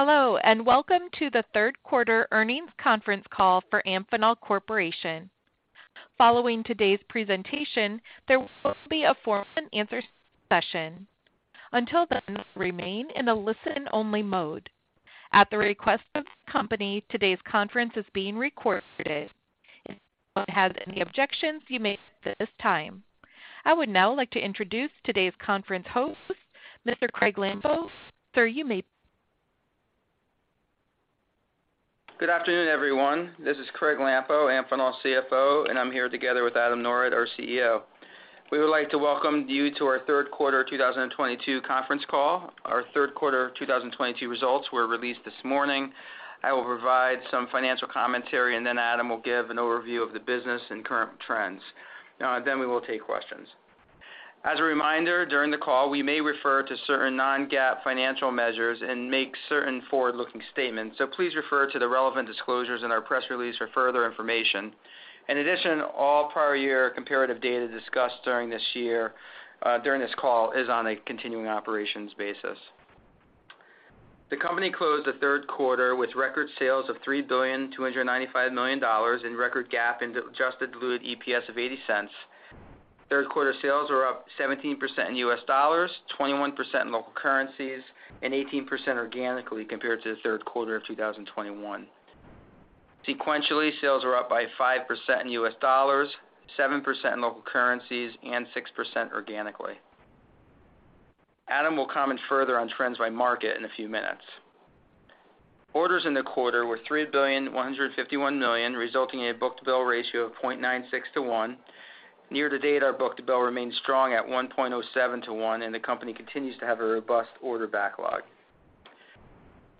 Hello, and welcome to the third quarter earnings conference call for Amphenol Corporation. Following today's presentation, there will be a formal question and answer session. Until then, remain in a listen-only mode. At the request of the company, today's conference is being recorded. If anyone has any objections, you may do so at this time. I would now like to introduce today's conference host, Mr. Craig A. Lampo. Sir, you may begin. Good afternoon, everyone. This is Craig Lampo, Amphenol's CFO, and I'm here together with Adam Norwitt, our CEO. We would like to welcome you to our third quarter 2022 conference call. Our third quarter 2022 results were released this morning. I will provide some financial commentary, and then Adam will give an overview of the business and current trends. Then we will take questions. As a reminder, during the call, we may refer to certain non-GAAP financial measures and make certain forward-looking statements, so please refer to the relevant disclosures in our press release for further information. In addition, all prior year comparative data discussed during this call is on a continuing operations basis. The company closed the third quarter with record sales of $3.295 billion and record GAAP and adjusted diluted EPS of $0.80. Third quarter sales were up 17% in U.S. dollars, 21% in local currencies, and 18% organically compared to the third quarter of 2021. Sequentially, sales were up by 5% in U.S. dollars, 7% in local currencies, and 6% organically. Adam will comment further on trends by market in a few minutes. Orders in the quarter were $3.151 billion, resulting in a book-to-bill ratio of 0.96 to 1. Year-to-date, our book-to-bill remains strong at 1.07 to 1, and the company continues to have a robust order backlog.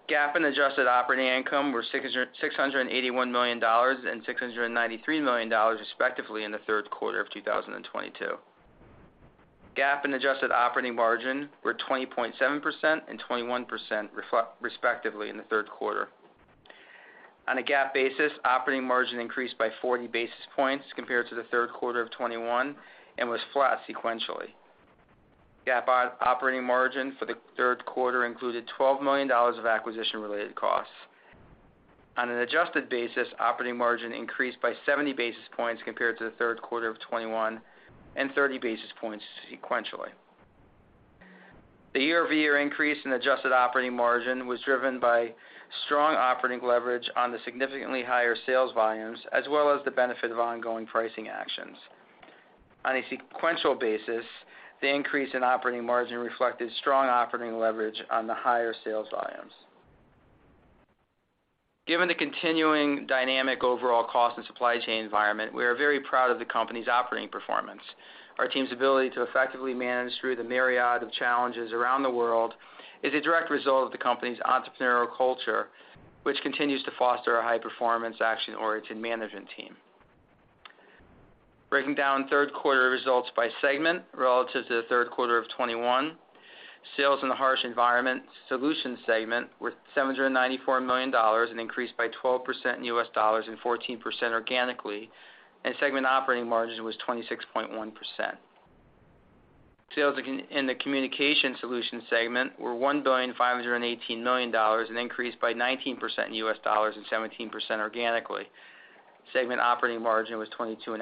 GAAP and adjusted operating income were $681 million and $693 million, respectively, in the third quarter of 2022. GAAP and adjusted operating margin were 20.7% and 21% respectively in the third quarter. On a GAAP basis, operating margin increased by 40 bps compared to the third quarter of 2021 and was flat sequentially. GAAP operating margin for the third quarter included $12 million of acquisition-related costs. On an adjusted basis, operating margin increased by 70 bps compared to the third quarter of 2021 and 30 bps sequentially. The year-over-year increase in adjusted operating margin was driven by strong operating leverage on the significantly higher sales volumes, as well as the benefit of ongoing pricing actions. On a sequential basis, the increase in operating margin reflected strong operating leverage on the higher sales volumes. Given the continuing dynamic overall cost and supply chain environment, we are very proud of the company's operating performance. Our team's ability to effectively manage through the myriad of challenges around the world is a direct result of the company's entrepreneurial culture, which continues to foster a high-performance, action-oriented management team. Breaking down third quarter results by segment relative to the third quarter of 2021, sales in the Harsh Environment Solutions segment were $794 million, an increase by 12% in U.S. dollars and 14% organically, and segment operating margin was 26.1%. Sales in the Communications Solutions segment were $1.518 billion, an increase by 19% in U.S. dollars and 17% organically. Segment operating margin was 22.5%.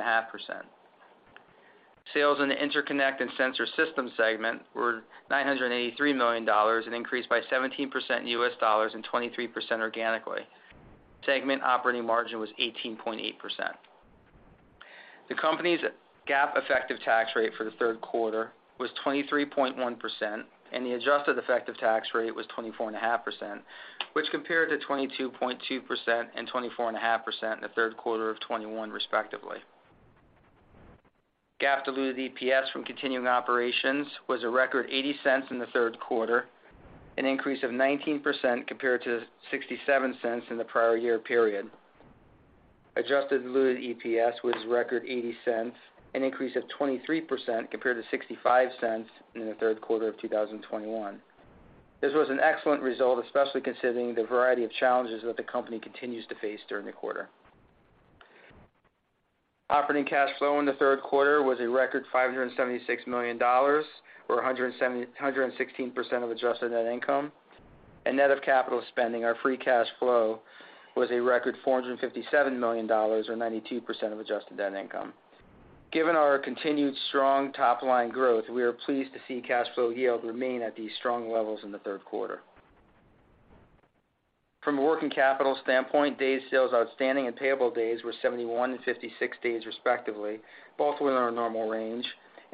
Sales in the Interconnect and Sensor Systems segment were $983 million, an increase by 17% in U.S. dollars and 23% organically. Segment operating margin was 18.8%. The company's GAAP effective tax rate for the third quarter was 23.1%, and the adjusted effective tax rate was 24.5%, which compared to 22.2% and 24.5% in the third quarter of 2021 respectively. GAAP diluted EPS from continuing operations was a record $0.80 in the third quarter, an increase of 19% compared to $0.67 in the prior year period. Adjusted diluted EPS was a record $0.80, an increase of 23% compared to $0.65 in the third quarter of 2021. This was an excellent result, especially considering the variety of challenges that the company continues to face during the quarter. Operating cash flow in the third quarter was a record $576 million, or 176% of adjusted net income. Net of capital spending, our free cash flow was a record $457 million, or 92% of adjusted net income. Given our continued strong top-line growth, we are pleased to see cash flow yield remain at these strong levels in the third quarter. From a working capital standpoint, days sales outstanding and payable days were 71 and 56 days respectively, both within our normal range.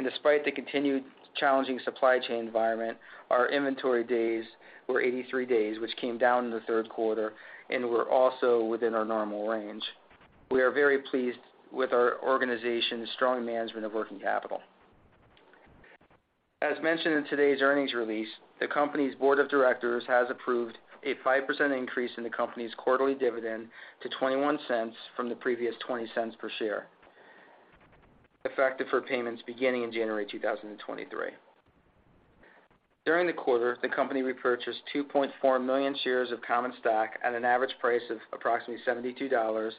Despite the continued challenging supply chain environment, our inventory days were 83 days, which came down in the third quarter and were also within our normal range. We are very pleased with our organization's strong management of working capital. As mentioned in today's earnings release, the company's board of directors has approved a 5% increase in the company's quarterly dividend to $0.21 from the previous $0.20 per share, effective for payments beginning in January 2023. During the quarter, the company repurchased 2.4 million shares of common stock at an average price of approximately $72.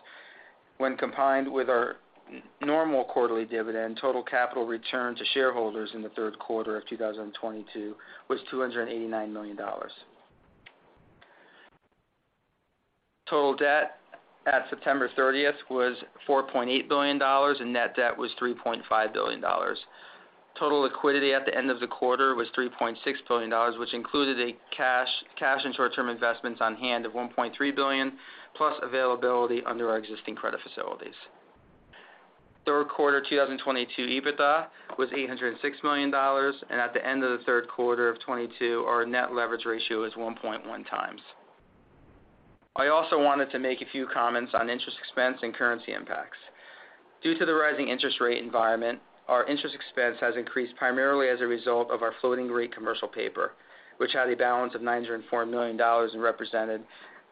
When combined with our normal quarterly dividend, total capital return to shareholders in the third quarter of 2022 was $289 million. Total debt at September 30 was $4.8 billion, and net debt was $3.5 billion. Total liquidity at the end of the quarter was $3.6 billion, which included cash equivalents, and short-term investments on hand of $1.3 billion, plus availability under our existing credit facilities. Third quarter 2022 EBITDA was $806 million, and at the end of the third quarter of 2022, our net leverage ratio is 1.1 x. I also wanted to make a few comments on interest expense and currency impacts. Due to the rising interest rate environment, our interest expense has increased primarily as a result of our floating rate commercial paper, which had a balance of $904 million, and represented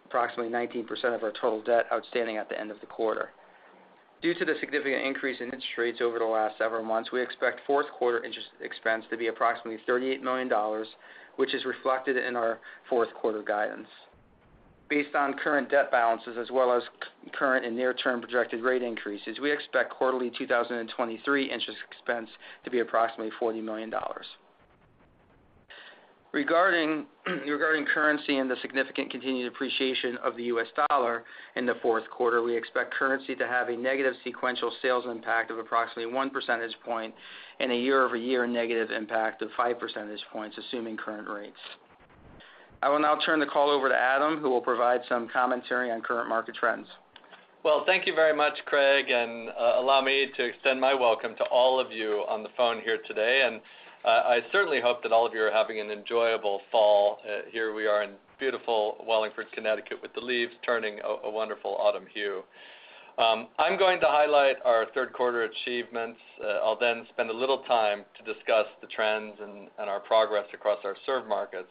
approximately 19% of our total debt outstanding at the end of the quarter. Due to the significant increase in interest rates over the last several months, we expect fourth quarter interest expense to be approximately $38 million, which is reflected in our fourth quarter guidance. Based on current debt balances, as well as current and near-term projected rate increases, we expect quarterly 2023 interest expense to be approximately $40 million. Regarding currency and the significant continued appreciation of the U.S. dollar in the fourth quarter, we expect currency to have a negative sequential sales impact of approximately 1 percentage point, and a year-over-year negative impact of 5 percentage points, assuming current rates. I will now turn the call over to Adam Norwitt, who will provide some commentary on current market trends. Well, thank you very much, Craig, and allow me to extend my welcome to all of you on the phone here today. I certainly hope that all of you are having an enjoyable fall. Here we are in beautiful Wallingford, Connecticut, with the leaves turning a wonderful autumn hue. I'm going to highlight our third quarter achievements. I'll then spend a little time to discuss the trends and our progress across our served markets.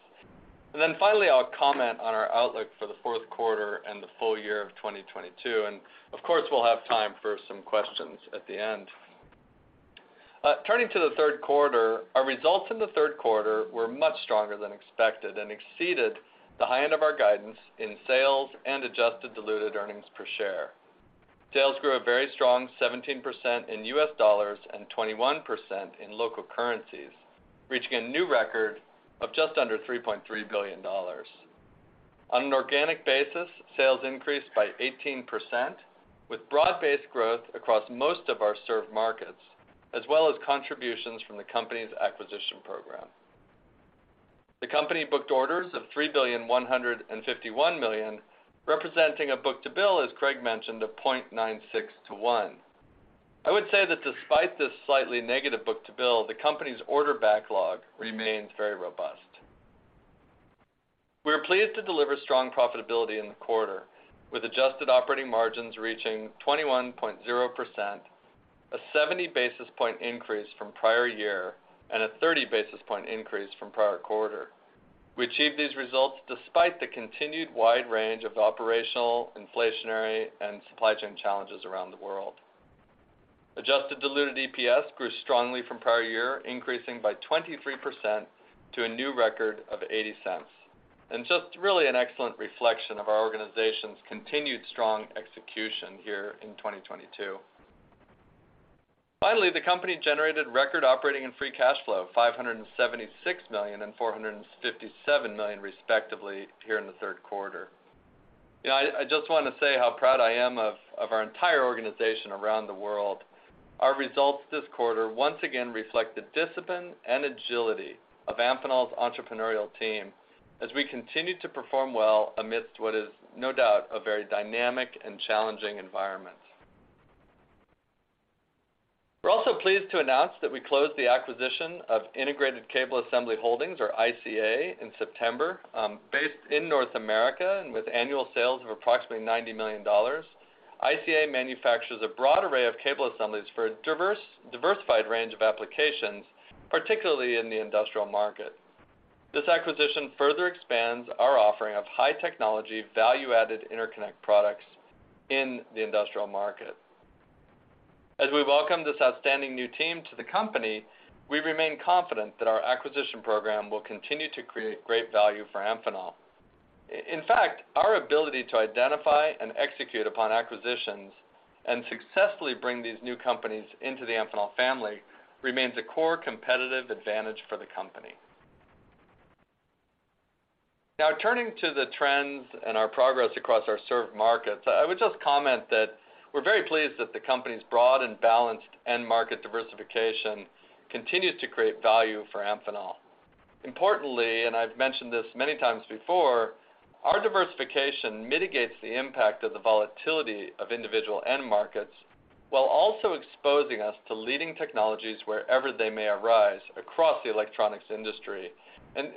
Then finally, I'll comment on our outlook for the fourth quarter and the full-year of 2022. Of course, we'll have time for some questions at the end. Turning to the third quarter, our results in the third quarter were much stronger than expected and exceeded the high end of our guidance in sales and adjusted diluted earnings per share. Sales grew a very strong 17% in US dollars and 21% in local currencies, reaching a new record of just under $3.3 billion. On an organic basis, sales increased by 18%, with broad-based growth across most of our served markets, as well as contributions from the company's acquisition program. The company booked orders of $3.151 billion, representing a book-to-bill, as Craig mentioned, of 0.96 to 1. I would say that despite this slightly negative book-to-bill, the company's order backlog remains very robust. We are pleased to deliver strong profitability in the quarter, with adjusted operating margins reaching 21.0%, a 70 basis point increase from prior year, and a 30 bps increase from prior quarter. We achieved these results despite the continued wide range of operational, inflationary, and supply chain challenges around the world. Adjusted diluted EPS grew strongly from prior year, increasing by 23% to a new record of $0.80. Just really an excellent reflection of our organization's continued strong execution here in 2022. Finally, the company generated record operating and free cash flow, $576 million and $457 million, respectively, here in the third quarter. You know, I just wanna say how proud I am of our entire organization around the world. Our results this quarter once again reflect the discipline and agility of Amphenol's entrepreneurial team as we continue to perform well amidst what is no doubt a very dynamic and challenging environment. We're also pleased to announce that we closed the acquisition of Integrated Cable Assemblies Holdings, or ICA, in September. Based in North America, and with annual sales of approximately $90 million, ICA manufactures a broad array of cable assemblies for a diversified range of applications, particularly in the industrial market. This acquisition further expands our offering of high technology, value-added interconnect products in the industrial market. As we welcome this outstanding new team to the company, we remain confident that our acquisition program will continue to create great value for Amphenol. In fact, our ability to identify and execute upon acquisitions and successfully bring these new companies into the Amphenol family remains a core competitive advantage for the company. Now turning to the trends and our progress across our served markets, I would just comment that we're very pleased that the company's broad and balanced end market diversification continues to create value for Amphenol. Importantly, and I've mentioned this many times before, our diversification mitigates the impact of the volatility of individual end markets while also exposing us to leading technologies wherever they may arise across the electronics industry.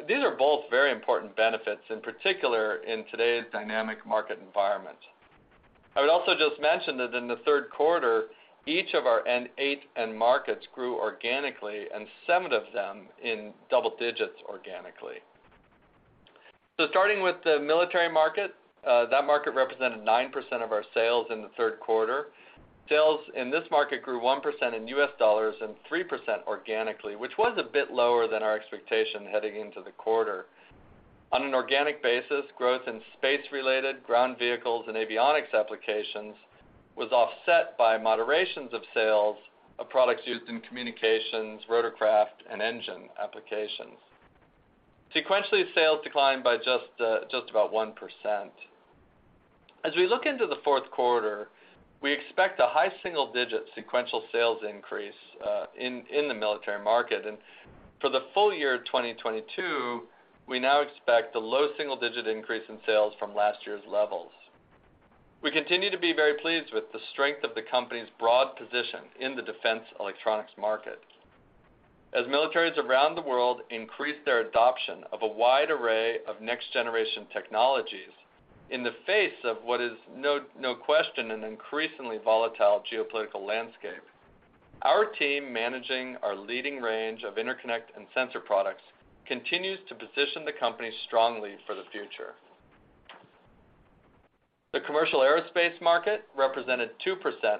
These are both very important benefits, in particular in today's dynamic market environment. I would also just mention that in the third quarter, each of our eight end markets grew organically, and seven of them in double-digits organically. Starting with the military market, that market represented 9% of our sales in the third quarter. Sales in this market grew 1% in U.S. dollars and 3% organically, which was a bit lower than our expectation heading into the quarter. On an organic basis, growth in space-related ground vehicles and avionics applications was offset by moderations of sales of products used in communications, rotorcraft, and engine applications. Sequentially, sales declined by just about 1%. As we look into the fourth quarter, we expect a high single-digit sequential sales increase in the military market. For the full-year of 2022, we now expect a low single-digit increase in sales from last year's levels. We continue to be very pleased with the strength of the company's broad position in the defense electronics market. As militaries around the world increase their adoption of a wide array of next-generation technologies in the face of what is no question an increasingly volatile geopolitical landscape, our team managing our leading range of interconnect and sensor products continues to position the company strongly for the future. The commercial aerospace market represented 2%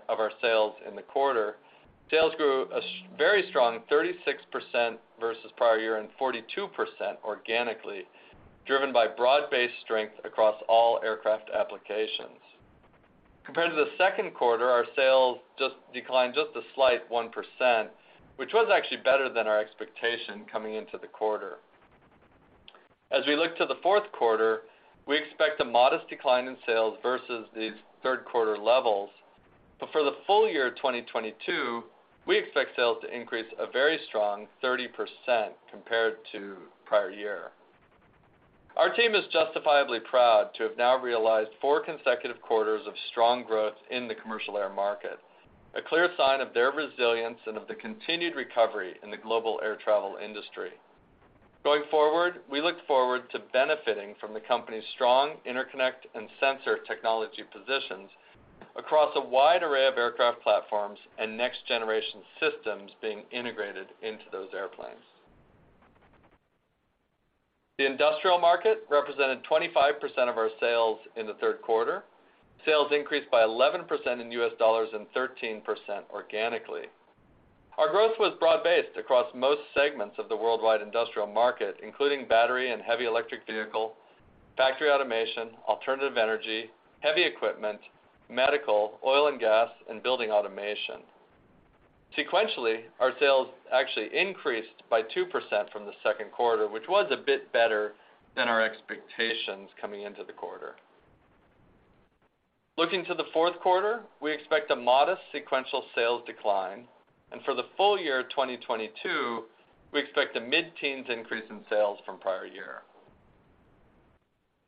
of our sales in the quarter. Sales grew very strong 36% versus prior year, and 42% organically, driven by broad-based strength across all aircraft applications. Compared to the second quarter, our sales declined a slight 1%, which was actually better than our expectation coming into the quarter. As we look to the fourth quarter, we expect a modest decline in sales versus these third quarter levels. For the full-year of 2022, we expect sales to increase a very strong 30% compared to prior year. Our team is justifiably proud to have now realized four consecutive quarters of strong growth in the commercial air market, a clear sign of their resilience and of the continued recovery in the global air travel industry. Going forward, we look forward to benefiting from the company's strong interconnect and sensor technology positions across a wide array of aircraft platforms and next-generation systems being integrated into those airplanes. The industrial market represented 25% of our sales in the third quarter. Sales increased by 11% in U.S. dollars and 13% organically. Our growth was broad-based across most segments of the worldwide industrial market, including battery and heavy electric vehicle, factory automation, alternative energy, heavy equipment, medical, oil and gas, and building automation. Sequentially, our sales actually increased by 2% from the second quarter, which was a bit better than our expectations coming into the quarter. Looking to the fourth quarter, we expect a modest sequential sales decline, and for the full-year of 2022, we expect a mid-teens increase in sales from prior year.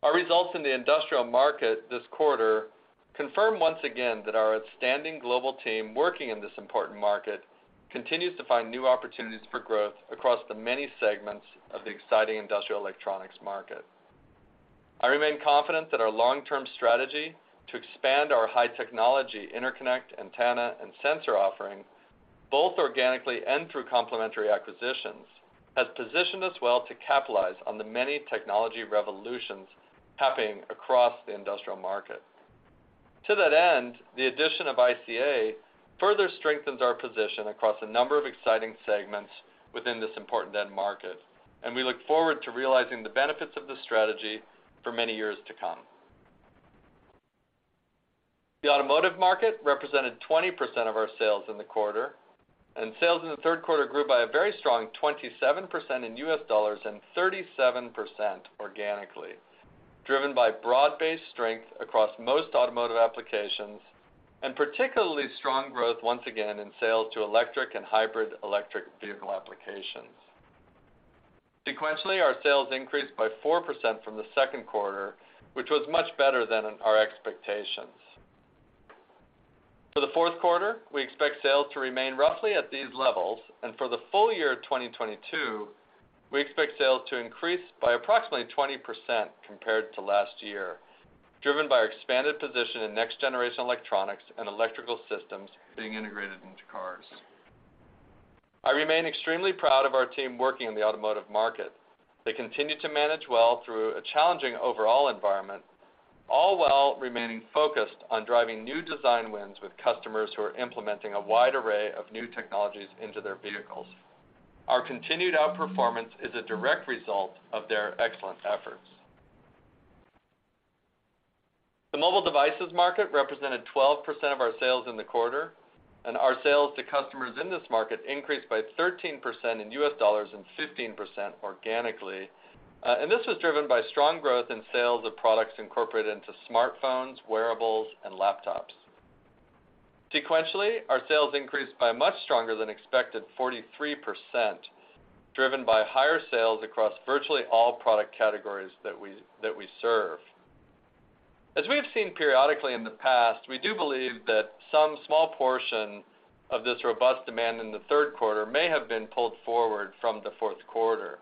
Our results in the industrial market this quarter confirm once again that our outstanding global team working in this important market continues to find new opportunities for growth across the many segments of the exciting industrial electronics market. I remain confident that our long-term strategy to expand our high-technology interconnect, antenna, and sensor offering, both organically and through complementary acquisitions, has positioned us well to capitalize on the many technology revolutions happening across the industrial market. To that end, the addition of ICA further strengthens our position across a number of exciting segments within this important end market, and we look forward to realizing the benefits of this strategy for many years to come. The automotive market represented 20% of our sales in the quarter, and sales in the third quarter grew by a very strong 27% in U.S.dollars and 37% organically, driven by broad-based strength across most automotive applications, and particularly strong growth once again in sales to electric and hybrid electric vehicle applications. Sequentially, our sales increased by 4% from the second quarter, which was much better than our expectations. For the fourth quarter, we expect sales to remain roughly at these levels, and for the full-year of 2022, we expect sales to increase by approximately 20% compared to last year, driven by our expanded position in next-generation electronics and electrical systems being integrated into cars. I remain extremely proud of our team working in the automotive market. They continue to manage well through a challenging overall environment, all while remaining focused on driving new design wins with customers who are implementing a wide array of new technologies into their vehicles. Our continued outperformance is a direct result of their excellent efforts. The mobile devices market represented 12% of our sales in the quarter, and our sales to customers in this market increased by 13% in U.S. dollars and 15% organically. This was driven by strong growth in sales of products incorporated into smartphones, wearables, and laptops. Sequentially, our sales increased by much stronger than expected, 43%, driven by higher sales across virtually all product categories that we serve. As we have seen periodically in the past, we do believe that some small portion of this robust demand in the third quarter may have been pulled forward from the fourth quarter.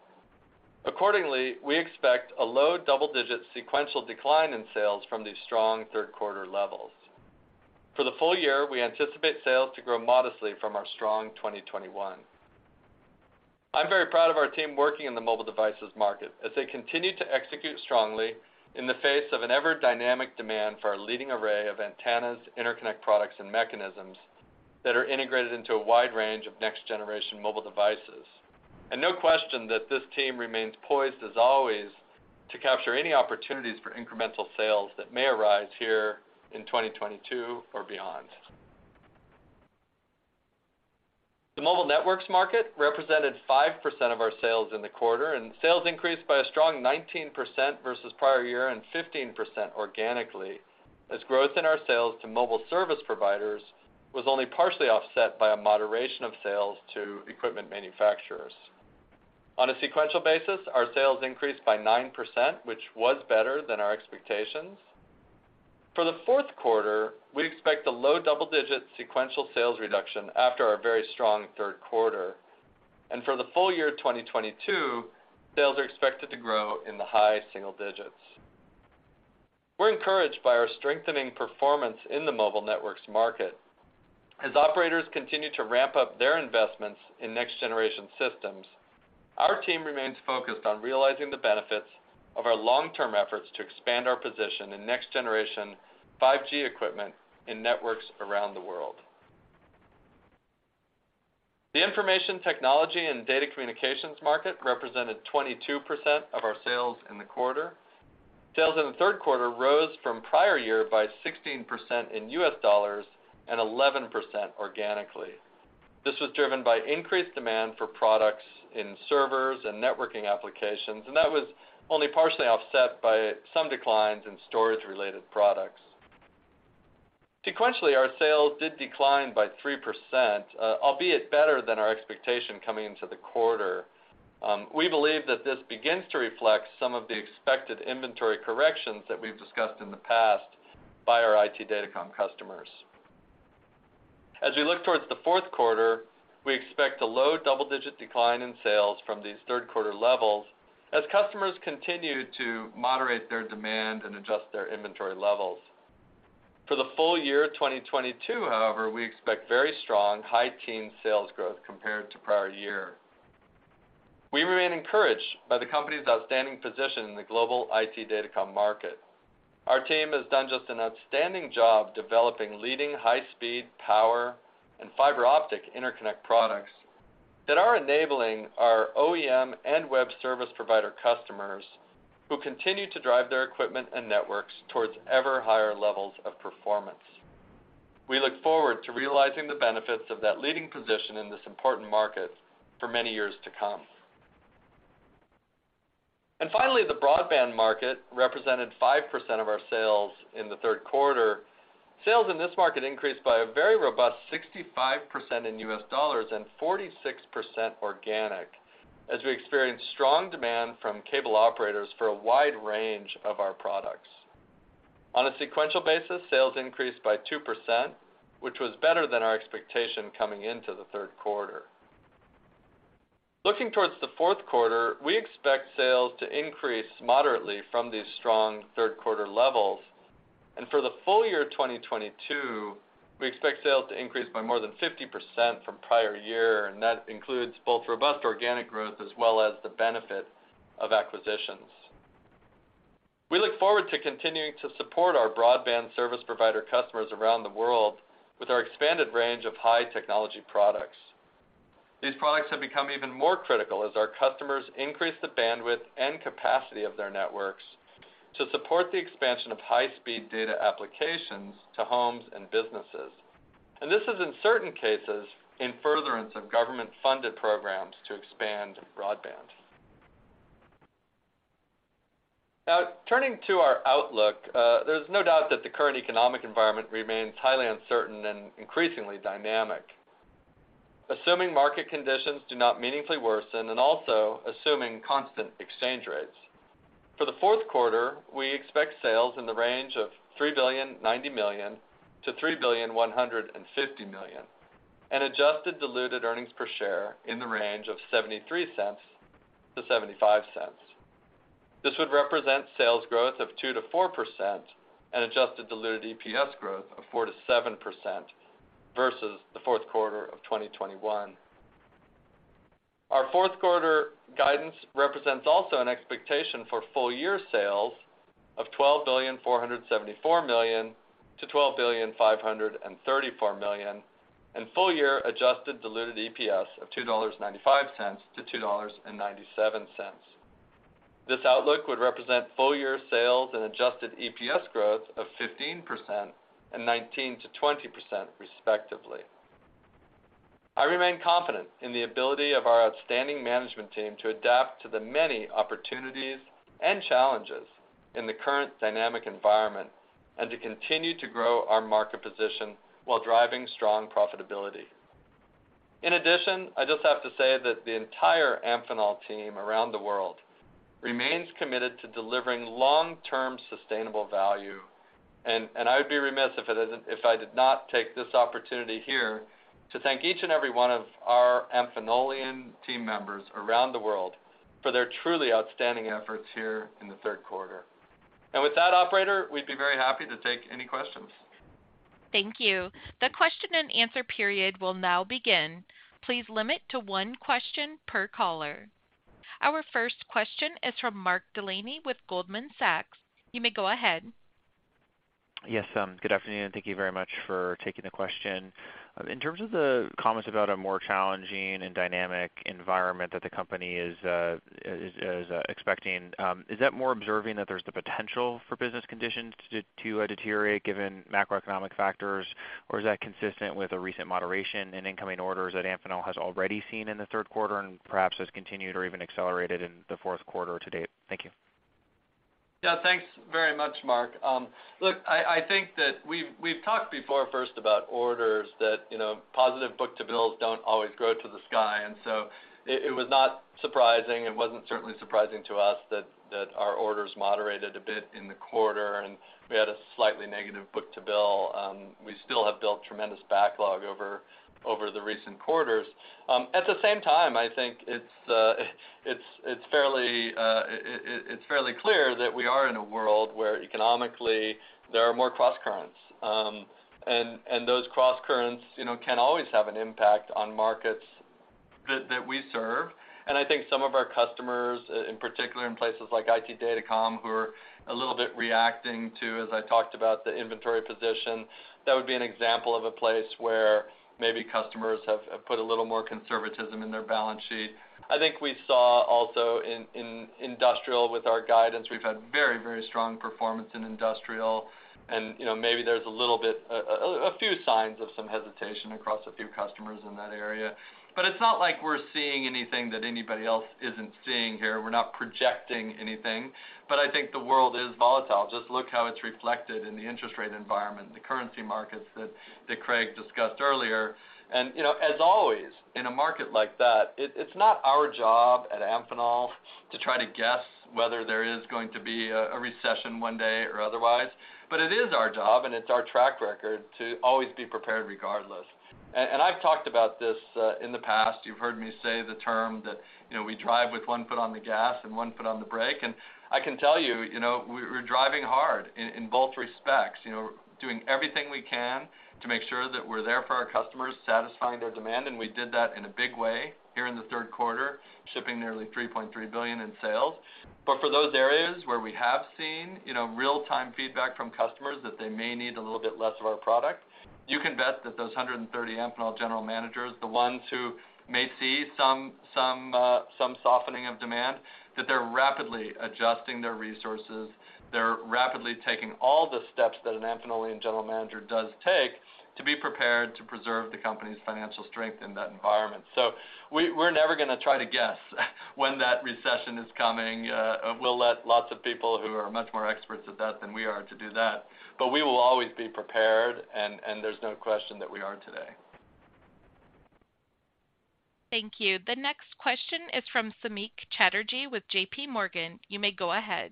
Accordingly, we expect a low double-digit sequential decline in sales from these strong third quarter levels. For the full-year, we anticipate sales to grow modestly from our strong 2021. I'm very proud of our team working in the mobile devices market as they continue to execute strongly in the face of an ever-dynamic demand for our leading array of antennas, interconnect products, and mechanisms that are integrated into a wide range of next-generation mobile devices. No question that this team remains poised as always to capture any opportunities for incremental sales that may arise here in 2022 or beyond. The mobile networks market represented 5% of our sales in the quarter, and sales increased by a strong 19% versus prior year and 15% organically, as growth in our sales to mobile service providers was only partially offset by a moderation of sales to equipment manufacturers. On a sequential basis, our sales increased by 9%, which was better than our expectations. For the fourth quarter, we expect a low double-digit sequential sales reduction after our very strong third quarter. For the full-year 2022, sales are expected to grow in the high single digits. We're encouraged by our strengthening performance in the mobile networks market. As operators continue to ramp up their investments in next-generation systems, our team remains focused on realizing the benefits of our long-term efforts to expand our position in next-generation 5G equipment in networks around the world. The information technology and data communications market represented 22% of our sales in the quarter. Sales in the third quarter rose from prior year by 16% in U.S. dollars and 11% organically. This was driven by increased demand for products in servers and networking applications, and that was only partially offset by some declines in storage-related products. Sequentially, our sales did decline by 3%, albeit better than our expectation coming into the quarter. We believe that this begins to reflect some of the expected inventory corrections that we've discussed in the past by our IT Datacom customers. As we look towards the fourth quarter, we expect a low double-digit decline in sales from these third quarter levels as customers continue to moderate their demand and adjust their inventory levels. For the full-year 2022, however, we expect very strong high-teens sales growth compared to prior year. We remain encouraged by the company's outstanding position in the global IT Datacom market. Our team has done just an outstanding job developing leading high-speed power and fiber optic interconnect products that are enabling our OEM and web service provider customers who continue to drive their equipment and networks towards ever higher levels of performance. We look forward to realizing the benefits of that leading position in this important market for many years to come. Finally, the broadband market represented 5% of our sales in the third quarter. Sales in this market increased by a very robust 65% in US dollars and 46% organic as we experienced strong demand from cable operators for a wide range of our products. On a sequential basis, sales increased by 2%, which was better than our expectation coming into the third quarter. Looking towards the fourth quarter, we expect sales to increase moderately from these strong third quarter levels. For the full-year 2022, we expect sales to increase by more than 50% from prior year, and that includes both robust organic growth as well as the benefit of acquisitions. We look forward to continuing to support our broadband service provider customers around the world with our expanded range of high-technology products. These products have become even more critical as our customers increase the bandwidth and capacity of their networks to support the expansion of high-speed data applications to homes and businesses. This is, in certain cases, in furtherance of government-funded programs to expand broadband. Now turning to our outlook, there's no doubt that the current economic environment remains highly uncertain and increasingly dynamic. Assuming market conditions do not meaningfully worsen and also assuming constant exchange rates. For the fourth quarter, we expect sales in the range of $3.09 billion-$3.15 billion, and adjusted diluted earnings per share in the range of $0.73-$0.75. This would represent sales growth of 2%-4% and adjusted diluted EPS growth of 4%-7% versus the fourth quarter of 2021. Our fourth quarter guidance represents also an expectation for full-year sales of $12.474 billion-$12.534 billion and full- year adjusted diluted EPS of $2.95-$2.97. This outlook would represent full-year sales and adjusted EPS growth of 15% and 19%-20% respectively. I remain confident in the ability of our outstanding management team to adapt to the many opportunities and challenges in the current dynamic environment and to continue to grow our market position while driving strong profitability. In addition, I just have to say that the entire Amphenol team around the world remains committed to delivering long-term sustainable value, and I would be remiss if I did not take this opportunity here to thank each and every one of our Amphenolian team members around the world for their truly outstanding efforts here in the third quarter. With that, operator, we'd be very happy to take any questions. Thank you. The question-and-answer period will now begin. Please limit to one question per caller. Our first question is from Mark Delaney with Goldman Sachs. You may go ahead. Yes, good afternoon, and thank you very much for taking the question. In terms of the comments about a more challenging and dynamic environment that the company is expecting, is that more observing that there's the potential for business conditions to deteriorate given macroeconomic factors? Or is that consistent with the recent moderation in incoming orders that Amphenol has already seen in the third quarter and perhaps has continued or even accelerated in the fourth quarter to date? Thank you. Yeah, thanks very much, Mark. Look, I think that we've talked before first about orders that, you know, positive book-to-bill ratios don't always grow to the sky. It was not surprising. It certainly wasn't surprising to us that our orders moderated a bit in the quarter, and we had a slightly negative book-to-bill. We still have built tremendous backlog over the recent quarters. At the same time, I think it's fairly clear that we are in a world where economically there are more crosscurrents. Those crosscurrents, you know, can always have an impact on markets that we serve. I think some of our customers, in particular in places like IT Datacom, who are a little bit reacting to, as I talked about, the inventory position, that would be an example of a place where maybe customers have put a little more conservatism in their balance sheet. I think we saw also in industrial with our guidance, we've had very, very strong performance in industrial. You know, maybe there's a little bit, a few signs of some hesitation across a few customers in that area. It's not like we're seeing anything that anybody else isn't seeing here. We're not projecting anything. I think the world is volatile. Just look how it's reflected in the interest rate environment and the currency markets that Craig discussed earlier. You know, as always, in a market like that, it's not our job at Amphenol to try to guess whether there is going to be a recession one day or otherwise. It is our job, and it's our track record to always be prepared regardless. I've talked about this in the past. You've heard me say the term that, you know, we drive with one foot on the gas and one foot on the brake. I can tell you know, we're driving hard in both respects. You know, doing everything we can to make sure that we're there for our customers, satisfying their demand, and we did that in a big way here in the third quarter, shipping nearly $3.3 billion in sales. For those areas where we have seen, you know, real-time feedback from customers that they may need a little bit less of our product, you can bet that those 130 Amphenol general managers, the ones who may see some softening of demand, that they're rapidly adjusting their resources. They're rapidly taking all the steps that an Amphenolian general manager does take to be prepared to preserve the company's financial strength in that environment. We're never gonna try to guess when that recession is coming. We'll let lots of people who are much more experts at that than we are to do that. We will always be prepared, and there's no question that we are today. Thank you. The next question is from Samik Chatterjee with J.P. Morgan. You may go ahead.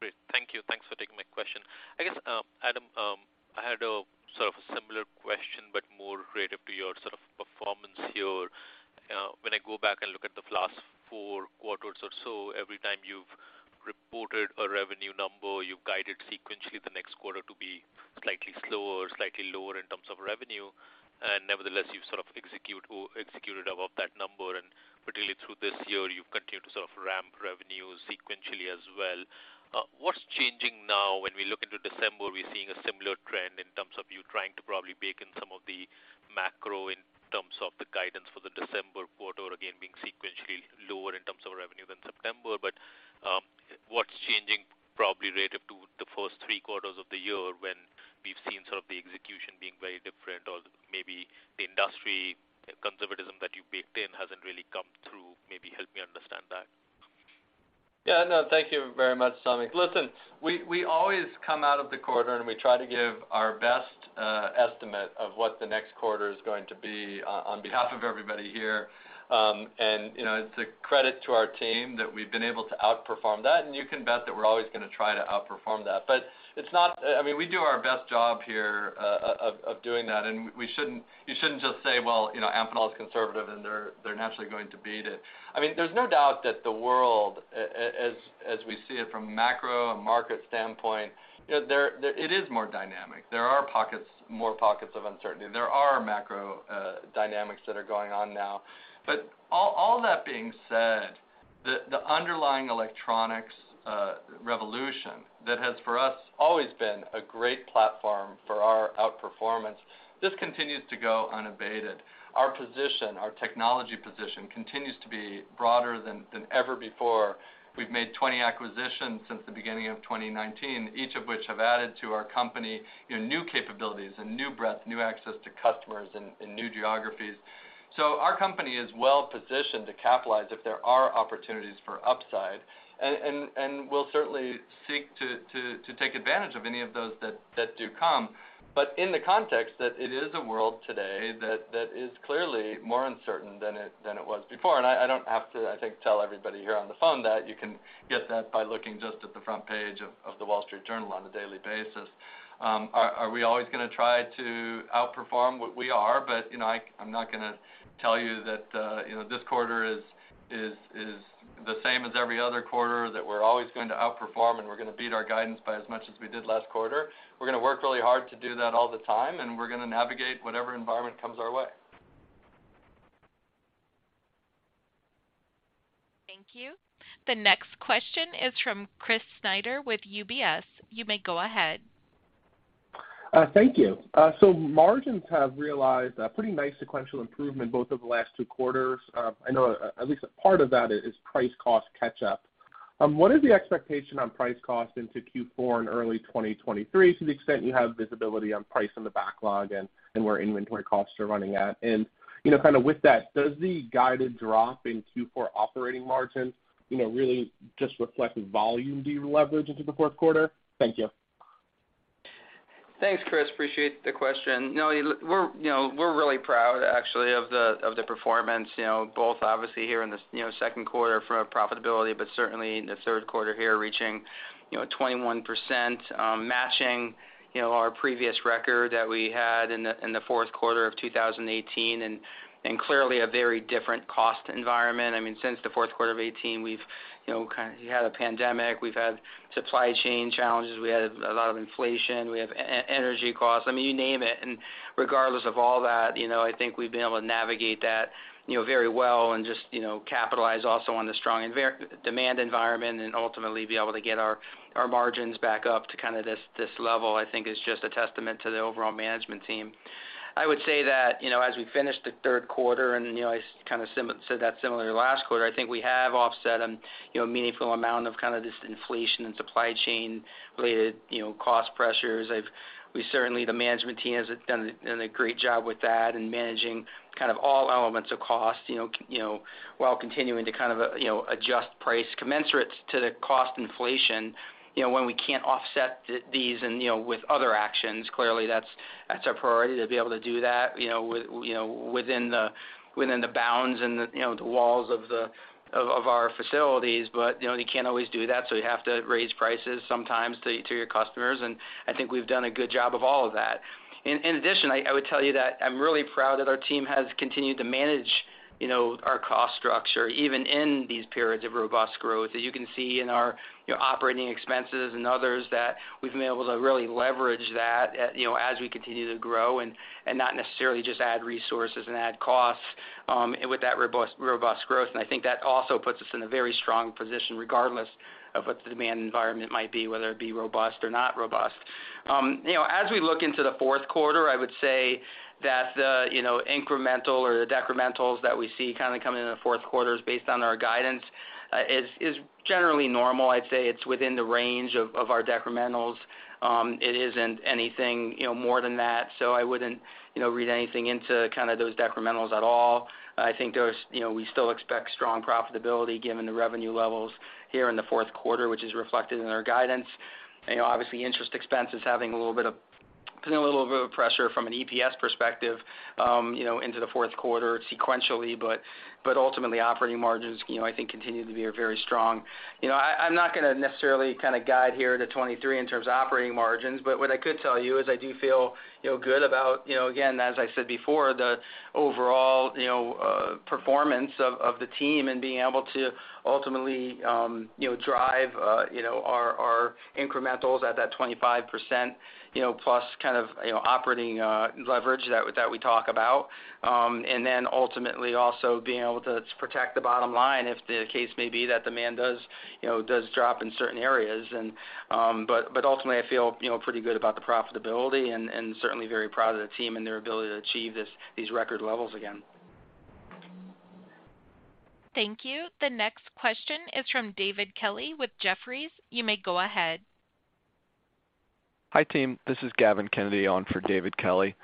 Great. Thank you. Thanks for taking my question. I guess, Adam, I had a sort of a similar question, but more relative to your sort of performance here. When I go back and look at the last four quarters or so, every time you've reported a revenue number, you've guided sequentially the next quarter to be slightly slower, slightly lower in terms of revenue. Nevertheless, you've sort of executed above that number. Particularly through this year, you've continued to sort of ramp revenues sequentially as well. What's changing now when we look into December, we're seeing a similar trend in terms of you trying to probably bake in some of the macro in terms of the guidance for the December quarter, again, being sequentially lower in terms of revenue than September. What's changing probably relative to the first three quarters of the year when we've seen sort of the execution being very different or maybe the industry conservatism that you baked in hasn't really come through? Maybe help me understand that. Yeah, no, thank you very much, Samik. Listen, we always come out of the quarter, and we try to give our best estimate of what the next quarter is going to be on behalf of everybody here. You know, it's a credit to our team that we've been able to outperform that, and you can bet that we're always gonna try to outperform that. But it's not. I mean, we do our best job here of doing that, and we shouldn't. You shouldn't just say, "Well, you know, Amphenol is conservative, and they're naturally going to beat it." I mean, there's no doubt that the world as we see it from macro and market standpoint, you know, there it is more dynamic. There are pockets, more pockets of uncertainty. There are macro dynamics that are going on now. All that being said, the underlying electronics revolution that has, for us, always been a great platform for our outperformance, this continues to go unabated. Our position, our technology position continues to be broader than ever before. We've made 20 acquisitions since the beginning of 2019, each of which have added to our company, you know, new capabilities and new breadth, new access to customers in new geographies. Our company is well positioned to capitalize if there are opportunities for upside. We'll certainly seek to take advantage of any of those that do come. In the context that it is a world today that is clearly more uncertain than it was before. I don't have to, I think, tell everybody here on the phone that you can get that by looking just at the front page of The Wall Street Journal on a daily basis. Are we always gonna try to outperform? We are, but, you know, I'm not gonna tell you that, you know, this quarter is. The same as every other quarter that we're always going to outperform, and we're gonna beat our guidance by as much as we did last quarter. We're gonna work really hard to do that all the time, and we're gonna navigate whatever environment comes our way. Thank you. The next question is from Chris Snyder with UBS. You may go ahead. Thank you. Margins have realized a pretty nice sequential improvement both of the last two quarters. I know at least a part of that is price cost catch up. What is the expectation on price cost into Q4 and early 2023 to the extent you have visibility on price in the backlog and where inventory costs are running at? You know, kind of with that, does the guided drop in Q4 operating margin really just reflect the volume deleverage into the fourth quarter? Thank you. Thanks, Chris. Appreciate the question. You know, we're really proud actually of the performance, you know, both obviously here in this second quarter for profitability, but certainly in the third quarter here, reaching 21%, matching our previous record that we had in the fourth quarter of 2018. Clearly a very different cost environment. I mean, since the fourth quarter of 2018, you know, we had a pandemic, we've had supply chain challenges, we had a lot of inflation, we have energy costs. I mean, you name it, and regardless of all that, you know, I think we've been able to navigate that, you know, very well and just, you know, capitalize also on the strong demand environment and ultimately be able to get our margins back up to kind of this level, I think is just a testament to the overall management team. I would say that, you know, as we finish the third quarter, and, you know, I kind of said that similar to last quarter, I think we have offset, you know, a meaningful amount of kind of this inflation and supply chain related, you know, cost pressures. We certainly, the management team has done a great job with that and managing kind of all elements of cost, you know, while continuing to kind of, you know, adjust price commensurate to the cost inflation, you know, when we can't offset these and, you know, with other actions. Clearly, that's our priority to be able to do that, you know, with, you know, within the bounds and the, you know, the walls of our facilities. You know, you can't always do that, so you have to raise prices sometimes to your customers, and I think we've done a good job of all of that. In addition, I would tell you that I'm really proud that our team has continued to manage, you know, our cost structure, even in these periods of robust growth, as you can see in our, you know, operating expenses and others that we've been able to really leverage that, you know, as we continue to grow and not necessarily just add resources and add costs with that robust growth. I think that also puts us in a very strong position, regardless of what the demand environment might be, whether it be robust or not robust. You know, as we look into the fourth quarter, I would say that the incremental or the decrementals that we see kind of coming in the fourth quarter is based on our guidance is generally normal. I'd say it's within the range of our decrementals. It isn't anything, you know, more than that. I wouldn't, you know, read anything into kind of those decrementals at all. I think those, you know, we still expect strong profitability given the revenue levels here in the fourth quarter, which is reflected in our guidance. You know, obviously, interest expense is having a little bit of, you know, a little bit of pressure from an EPS perspective, you know, into the fourth quarter sequentially, but ultimately, operating margins, you know, I think continue to be very strong. You know, I'm not gonna necessarily kind of guide here to 2023 in terms of operating margins, but what I could tell you is I do feel you know good about, you know, again, as I said before, the overall you know performance of the team and being able to ultimately you know drive you know our incrementals at that 25% you know plus kind of you know operating leverage that we talk about. And then ultimately also being able to protect the bottom line if the case may be that demand does you know drop in certain areas. But ultimately, I feel you know pretty good about the profitability and certainly very proud of the team and their ability to achieve these record levels again. Thank you. The next question is from David Kelley with Jefferies. You may go ahead. Hi, team. This is Gavin Kennedy on for David Kelley.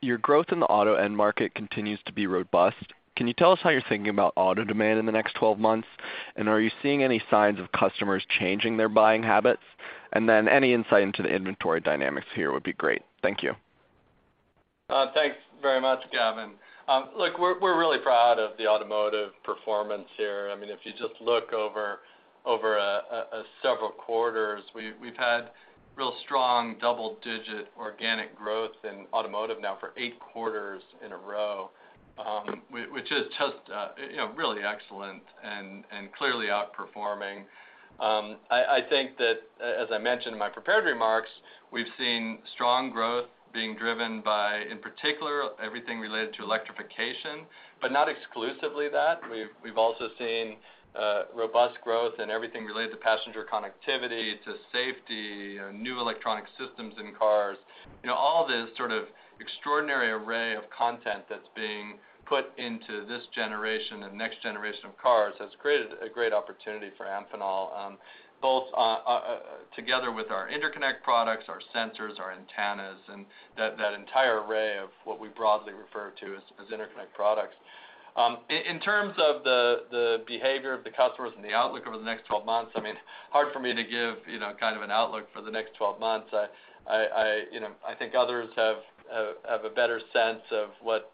Your growth in the auto end market continues to be robust. Can you tell us how you're thinking about auto demand in the next 12 months? Are you seeing any signs of customers changing their buying habits? Any insight into the inventory dynamics here would be great. Thank you. Thanks very much, Gavin. Look, we're really proud of the automotive performance here. I mean, if you just look over several quarters, we've had real strong double-digit organic growth in automotive now for eight quarters in a row, which is just, you know, really excellent and clearly outperforming. I think that, as I mentioned in my prepared remarks, we've seen strong growth being driven by, in particular, everything related to electrification, but not exclusively that. We've also seen robust growth in everything related to passenger connectivity, to safety, new electronic systems in cars. You know, all this sort of extraordinary array of content that's being put into this generation and next generation of cars has created a great opportunity for Amphenol, both on, together with our interconnect products, our sensors, our antennas, and that entire array of what we broadly refer to as interconnect products. In terms of the behavior of the customers and the outlook over the next 12 months, I mean, hard for me to give, you know, kind of an outlook for the next 12 months. I, you know, I think others have a better sense of what,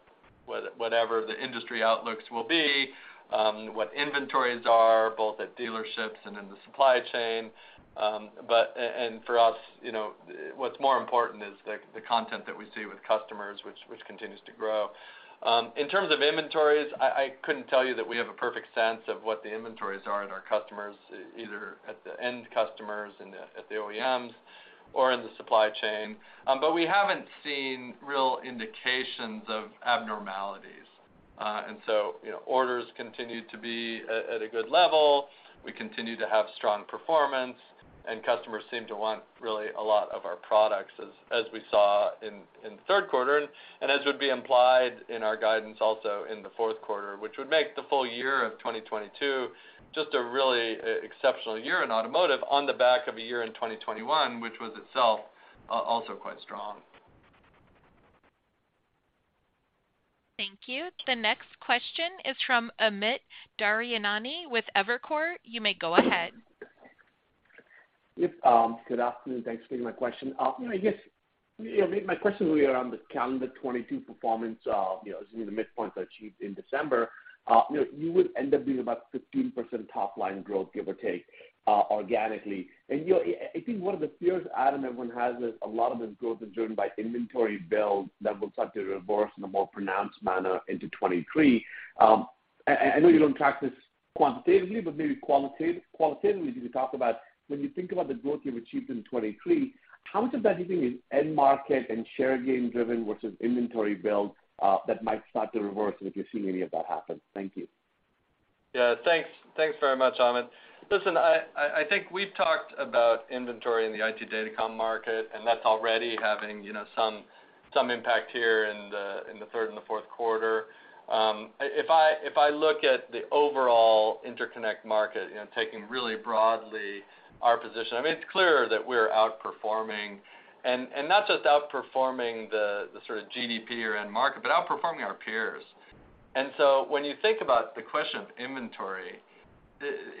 whatever the industry outlooks will be, what inventories are both at dealerships and in the supply chain. For us, you know, what's more important is the content that we see with customers, which continues to grow. In terms of inventories, I couldn't tell you that we have a perfect sense of what the inventories are at our customers, either at the end customers and at the OEMs or in the supply chain. We haven't seen real indications of abnormalities. You know, orders continue to be at a good level. We continue to have strong performance, and customers seem to want really a lot of our products as we saw in the third quarter and as would be implied in our guidance also in the fourth quarter, which would make the full-year of 2022 just a really exceptional year in automotive on the back of a year-end 2021, which was itself also quite strong. Thank you. The next question is from Amit Daryanani with Evercore. You may go ahead. Yep. Good afternoon. Thanks for taking my question. You know, I guess, you know, my question really around the calendar 2022 performance, you know, assuming the midpoint achieved in December, you know, you would end up doing about 15% top-line growth, give or take, organically. You know, I think one of the fears Adam Norwitt and everyone has is a lot of this growth is driven by inventory build that will start to reverse in a more pronounced manner into 2023. I know you don't track this quantitatively, but maybe qualitatively, if you could talk about when you think about the growth you've achieved in 2023, how much of that do you think is end market and share gain driven versus inventory build, that might start to reverse, and if you're seeing any of that happen? Thank you. Yeah. Thanks. Thanks very much, Amit. Listen, I think we've talked about inventory in the IT Datacom market, and that's already having, you know, some impact here in the third and the fourth quarter. If I look at the overall interconnect market, you know, taking really broadly our position, I mean, it's clear that we're outperforming and not just outperforming the sort of GDP or end market, but outperforming our peers. When you think about the question of inventory,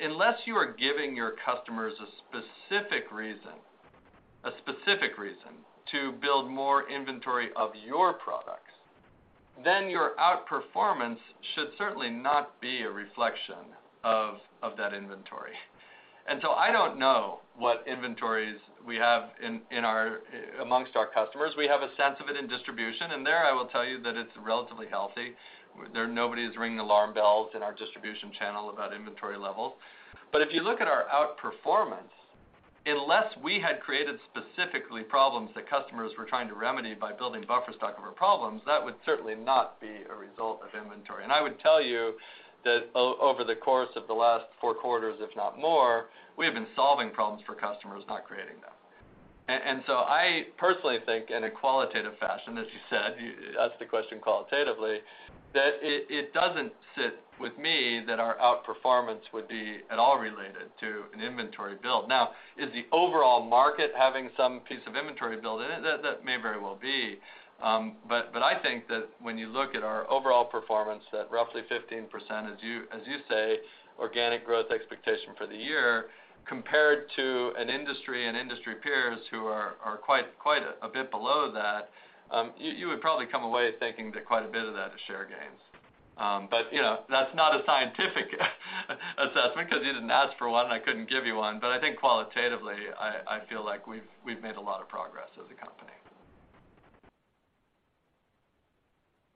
unless you are giving your customers a specific reason to build more inventory of your products, then your outperformance should certainly not be a reflection of that inventory. I don't know what inventories we have amongst our customers. We have a sense of it in distribution, and there, I will tell you that it's relatively healthy. There, nobody is ringing alarm bells in our distribution channel about inventory levels. If you look at our outperformance, unless we had created specifically problems that customers were trying to remedy by building buffer stock of our problems, that would certainly not be a result of inventory. I would tell you that over the course of the last four quarters, if not more, we have been solving problems for customers, not creating them. I personally think in a qualitative fashion, as you said, you asked the question qualitatively, that it doesn't sit with me that our outperformance would be at all related to an inventory build. Now, is the overall market having some piece of inventory build in it? That may very well be. I think that when you look at our overall performance, that roughly 15%, as you say, organic growth expectation for the year compared to industry peers who are quite a bit below that, you would probably come away thinking that quite a bit of that is share gains. You know, that's not a scientific assessment 'cause you didn't ask for one, and I couldn't give you one. I think qualitatively, I feel like we've made a lot of progress as a company.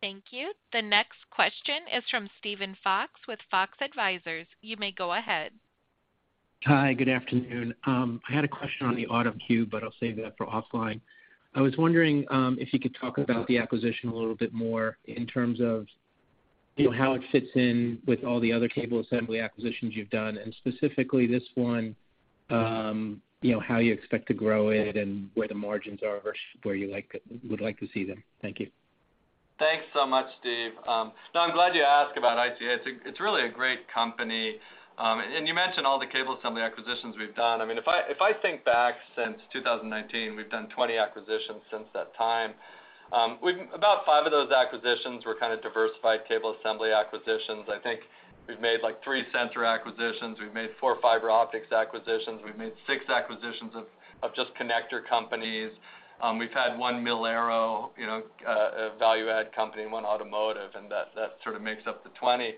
Thank you. The next question is from Steven Fox with Fox Advisors. You may go ahead. Hi. Good afternoon. I had a question on the auto queue, but I'll save that for offline. I was wondering if you could talk about the acquisition a little bit more in terms of, you know, how it fits in with all the other cable assembly acquisitions you've done, and specifically this one, you know, how you expect to grow it and where the margins are versus where you would like to see them. Thank you. Thanks so much, Steve. No, I'm glad you asked about ICA. It's really a great company. And you mentioned all the cable assembly acquisitions we've done. I mean, if I think back since 2019, we've done 20 acquisitions since that time. About five of those acquisitions were kinda diversified cable assembly acquisitions. I think we've made, like, three sensor acquisitions. We've made four fiber optics acquisitions. We've made six acquisitions of just connector companies. We've had one mil-aero, you know, value add company, one automotive, and that sort of makes up the 20.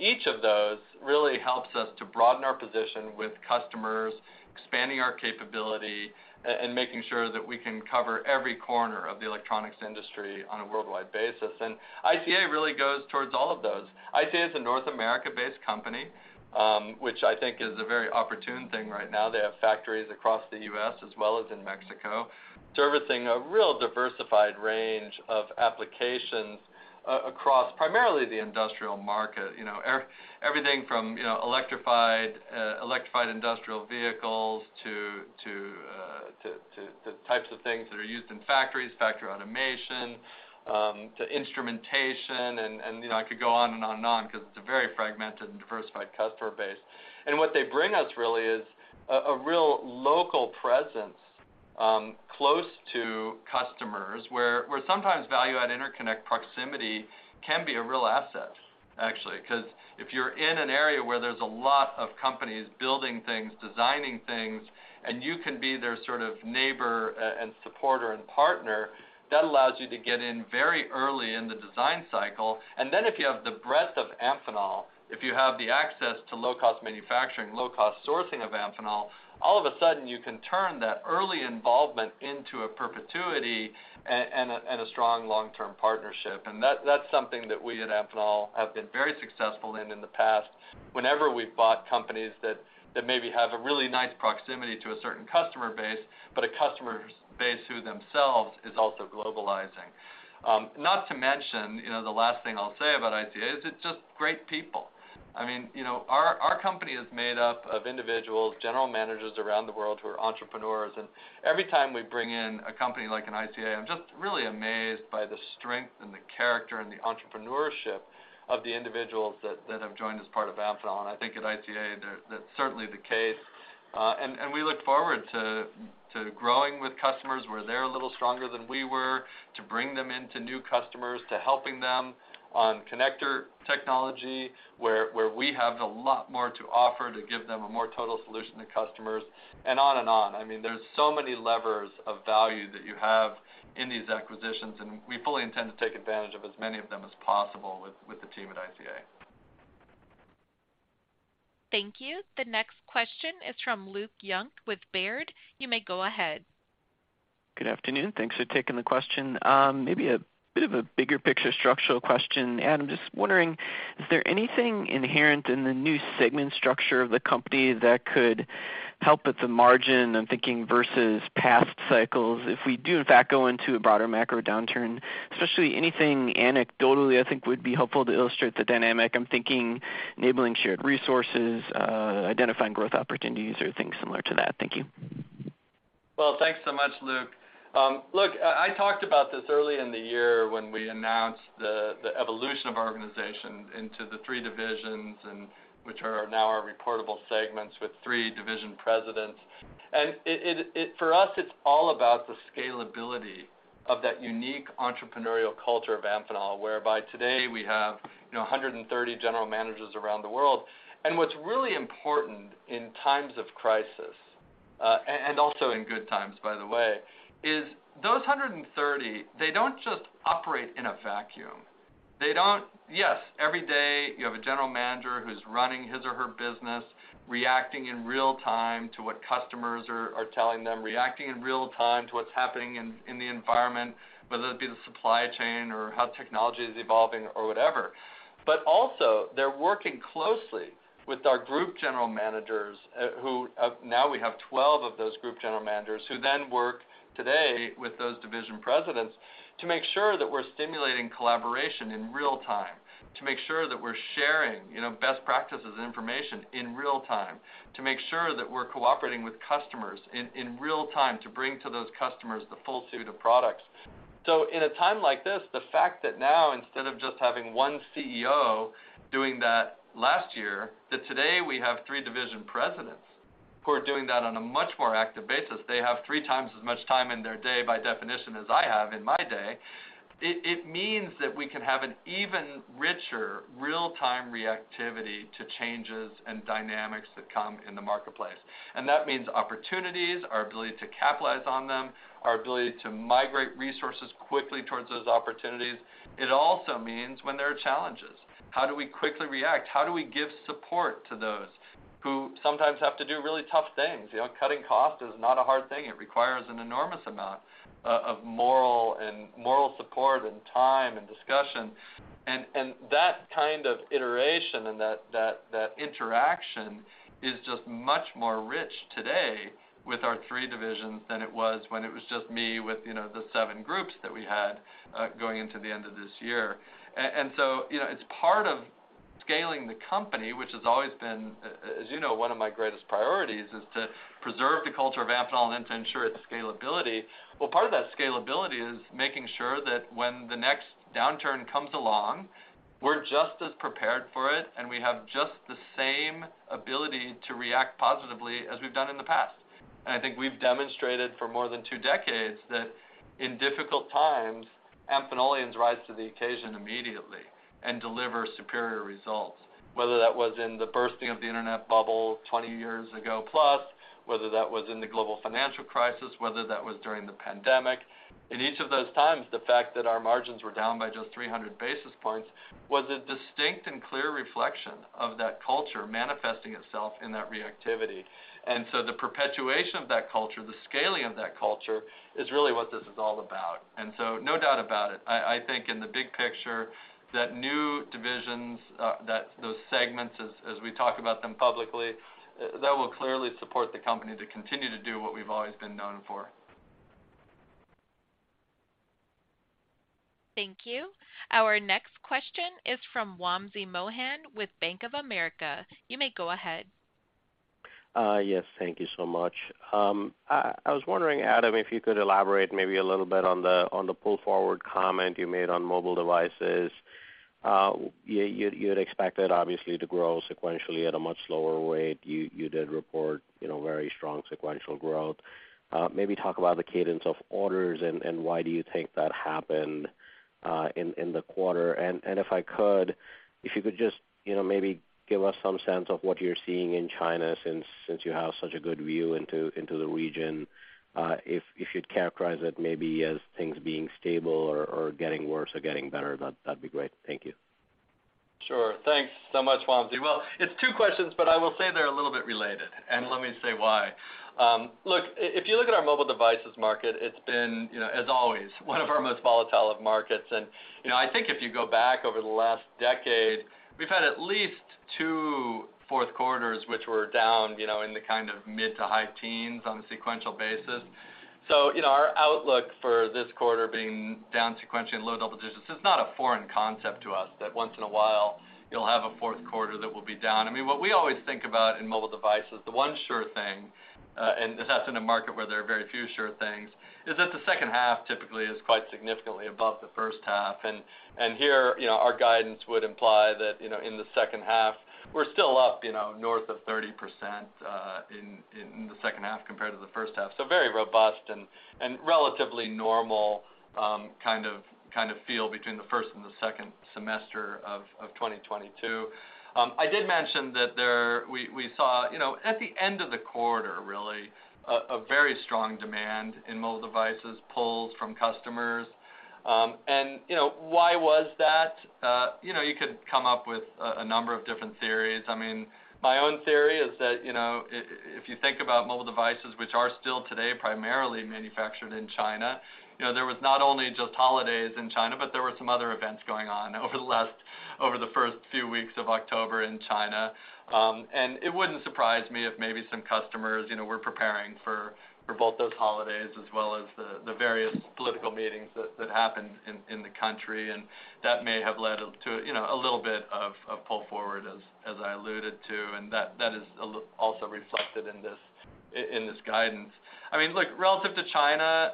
Each of those really helps us to broaden our position with customers, expanding our capability and making sure that we can cover every corner of the electronics industry on a worldwide basis. ICA really goes towards all of those. ICA is a North America-based company, which I think is a very opportune thing right now. They have factories across the U.S. as well as in Mexico, servicing a real diversified range of applications across primarily the industrial market. You know, everything from, you know, electrified industrial vehicles to types of things that are used in factories, factory automation, to instrumentation. You know, I could go on and on and on 'cause it's a very fragmented and diversified customer base. What they bring us really is a real local presence, close to customers where sometimes value-add interconnect proximity can be a real asset, actually, 'cause if you're in an area where there's a lot of companies building things, designing things, and you can be their sort of neighbor, and supporter and partner, that allows you to get in very early in the design cycle. Then if you have the breadth of Amphenol, if you have the access to low-cost manufacturing, low-cost sourcing of Amphenol, all of a sudden you can turn that early involvement into a perpetuity and a strong long-term partnership. That's something that we at Amphenol have been very successful in in the past. Whenever we've bought companies that maybe have a really nice proximity to a certain customer base, but a customer base who themselves is also globalizing. Not to mention, you know, the last thing I'll say about ICA is it's just great people. I mean, you know, our company is made up of individuals, general managers around the world who are entrepreneurs, and every time we bring in a company like an ICA, I'm just really amazed by the strength and the character and the entrepreneurship of the individuals that have joined as part of Amphenol. I think at ICA, that's certainly the case. we look forward to growing with customers where they're a little stronger than we were, to bring them into new customers, to helping them on connector technology where we have a lot more to offer to give them a more total solution to customers and on and on. I mean, there's so many levers of value that you have in these acquisitions, and we fully intend to take advantage of as many of them as possible with the team at ICA. Thank you. The next question is from Luke Junk with Baird. You may go ahead. Good afternoon. Thanks for taking the question. Maybe a bit of a bigger picture structural question. I'm just wondering, is there anything inherent in the new segment structure of the company that could help with the margin? I'm thinking versus past cycles. If we do, in fact, go into a broader macro downturn, especially anything anecdotally, I think would be helpful to illustrate the dynamic. I'm thinking enabling shared resources, identifying growth opportunities or things similar to that. Thank you. Well, thanks so much, Luke. Look, I talked about this early in the year when we announced the evolution of our organization into the three divisions and which are now our reportable segments with three division presidents. For us, it's all about the scalability of that unique entrepreneurial culture of Amphenol, whereby today we have, you know, 130 general managers around the world. What's really important in times of crisis, and also in good times, by the way, is those 130, they don't just operate in a vacuum. Yes, every day you have a general manager who's running his or her business, reacting in real time to what customers are telling them, reacting in real time to what's happening in the environment, whether it be the supply chain or how technology is evolving or whatever. Also they're working closely with our group general managers, who now we have 12 of those group general managers who then work together with those division presidents to make sure that we're stimulating collaboration in real time, to make sure that we're sharing, you know, best practices and information in real time, to make sure that we're cooperating with customers in real time to bring to those customers the full suite of products. In a time like this, the fact that now instead of just having one CEO doing that last year, that today we have three division presidents who are doing that on a much more active basis. They have three times as much time in their day, by definition, as I have in my day. It means that we can have an even richer real-time reactivity to changes and dynamics that come in the marketplace. That means opportunities, our ability to capitalize on them, our ability to migrate resources quickly towards those opportunities. It also means when there are challenges, how do we quickly react? How do we give support to those who sometimes have to do really tough things? You know, cutting cost is not a hard thing. It requires an enormous amount of moral support and time and discussion. That kind of iteration and that interaction is just much more rich today with our three divisions than it was when it was just me with, you know, the seven groups that we had going into the end of this year. It's part of scaling the company, which has always been, as you know, one of my greatest priorities, is to preserve the culture of Amphenol and to ensure its scalability. Well, part of that scalability is making sure that when the next downturn comes along, we're just as prepared for it, and we have just the same ability to react positively as we've done in the past. I think we've demonstrated for more than two decades that in difficult times, Amphenolians rise to the occasion immediately and deliver superior results, whether that was in the bursting of the internet bubble 20 years ago plus, whether that was in the global financial crisis, whether that was during the pandemic. In each of those times, the fact that our margins were down by just 300 bps was a distinct and clear reflection of that culture manifesting itself in that reactivity. The perpetuation of that culture, the scaling of that culture is really what this is all about. No doubt about it, I think in the big picture that new divisions, that those segments as we talk about them publicly, that will clearly support the company to continue to do what we've always been known for. Thank you. Our next question is from Wamsi Mohan with Bank of America. You may go ahead. Yes, thank you so much. I was wondering, Adam, if you could elaborate maybe a little bit on the pull-forward comment you made on mobile devices. You had expected obviously to grow sequentially at a much slower rate. You did report, you know, very strong sequential growth. Maybe talk about the cadence of orders and why do you think that happened in the quarter? If you could just, you know, maybe give us some sense of what you're seeing in China since you have such a good view into the region, if you'd characterize it maybe as things being stable or getting worse or getting better, that'd be great. Thank you. Sure. Thanks so much, Wamsi. Well, it's two questions, but I will say they're a little bit related, and let me say why. Look, if you look at our mobile devices market, it's been, you know, as always, one of our most volatile of markets. You know, I think if you go back over the last decade, we've had at least two fourth quarters which were down, you know, in the kind of mid- to high teens percentage on a sequential basis. You know, our outlook for this quarter being down sequentially in low double-digits percentage is not a foreign concept to us, that once in a while you'll have a fourth quarter that will be down. I mean, what we always think about in mobile devices, the one sure thing, and this is in a market where there are very few sure things, is that the second half typically is quite significantly above the first half. Here, you know, our guidance would imply that, you know, in the second half, we're still up, you know, north of 30% in the second half compared to the first half. Very robust and relatively normal kind of feel between the first and the second half of 2022. I did mention that we saw, you know, at the end of the quarter, really, a very strong demand in mobile devices pulls from customers. You know, why was that? You know, you could come up with a number of different theories. I mean, my own theory is that, you know, if you think about mobile devices, which are still today primarily manufactured in China, you know, there was not only just holidays in China, but there were some other events going on over the first few weeks of October in China. It wouldn't surprise me if maybe some customers, you know, were preparing for both those holidays as well as the various political meetings that happened in the country. That may have led to, you know, a little bit of pull forward, as I alluded to, and that is also reflected in this guidance. I mean, look, relative to China,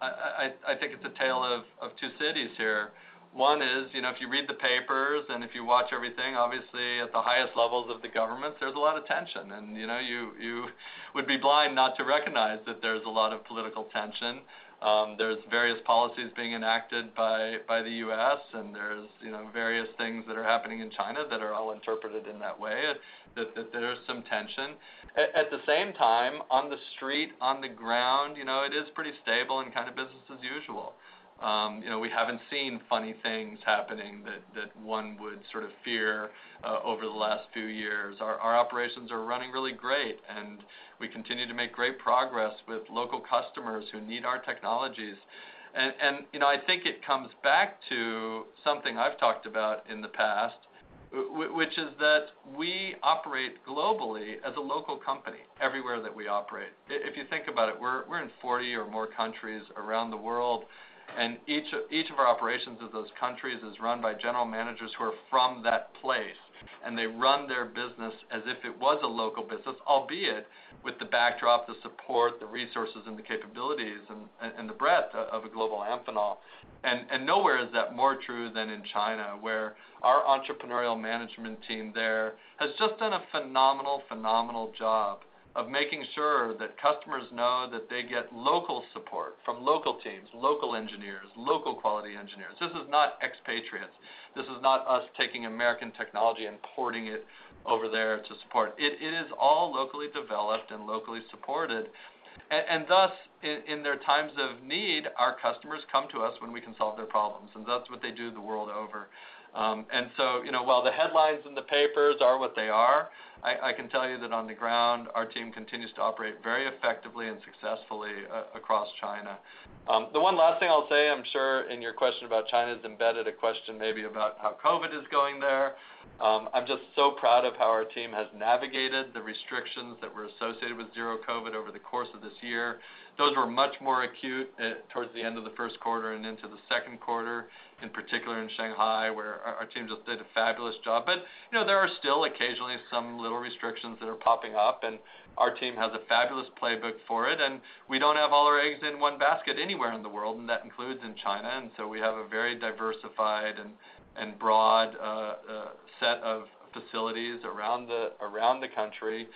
I think it's a tale of two cities here. One is, you know, if you read the papers and if you watch everything, obviously at the highest levels of the government, there's a lot of tension. You know, you would be blind not to recognize that there's a lot of political tension. There's various policies being enacted by the U.S., and there's, you know, various things that are happening in China that are all interpreted in that way, that there's some tension. At the same time, on the street, on the ground, you know, it is pretty stable and kind of business as usual. You know, we haven't seen funny things happening that one would sort of fear over the last few years. Our operations are running really great, and we continue to make great progress with local customers who need our technologies. You know, I think it comes back to something I've talked about in the past, which is that we operate globally as a local company everywhere that we operate. If you think about it, we're in 40 or more countries around the world, and each of our operations of those countries is run by general managers who are from that place, and they run their business as if it was a local business, albeit with the backdrop, the support, the resources, and the capabilities and the breadth of a global Amphenol. Nowhere is that more true than in China, where our entrepreneurial management team there has just done a phenomenal job of making sure that customers know that they get local support from local teams, local engineers, local quality engineers. This is not expatriates. This is not us taking American technology and porting it over there to support. It is all locally developed and locally supported. Thus, in their times of need, our customers come to us when we can solve their problems, and that's what they do the world over. You know, while the headlines in the papers are what they are, I can tell you that on the ground, our team continues to operate very effectively and successfully across China. The one last thing I'll say, I'm sure in your question about China is embedded a question maybe about how COVID is going there. I'm just so proud of how our team has navigated the restrictions that were associated with Zero-COVID over the course of this year. Those were much more acute towards the end of the first quarter and into the second quarter, in particular in Shanghai, where our team just did a fabulous job. You know, there are still occasionally some little restrictions that are popping up, and our team has a fabulous playbook for it. We don't have all our eggs in one basket anywhere in the world, and that includes in China. We have a very diversified and broad set of facilities around the country,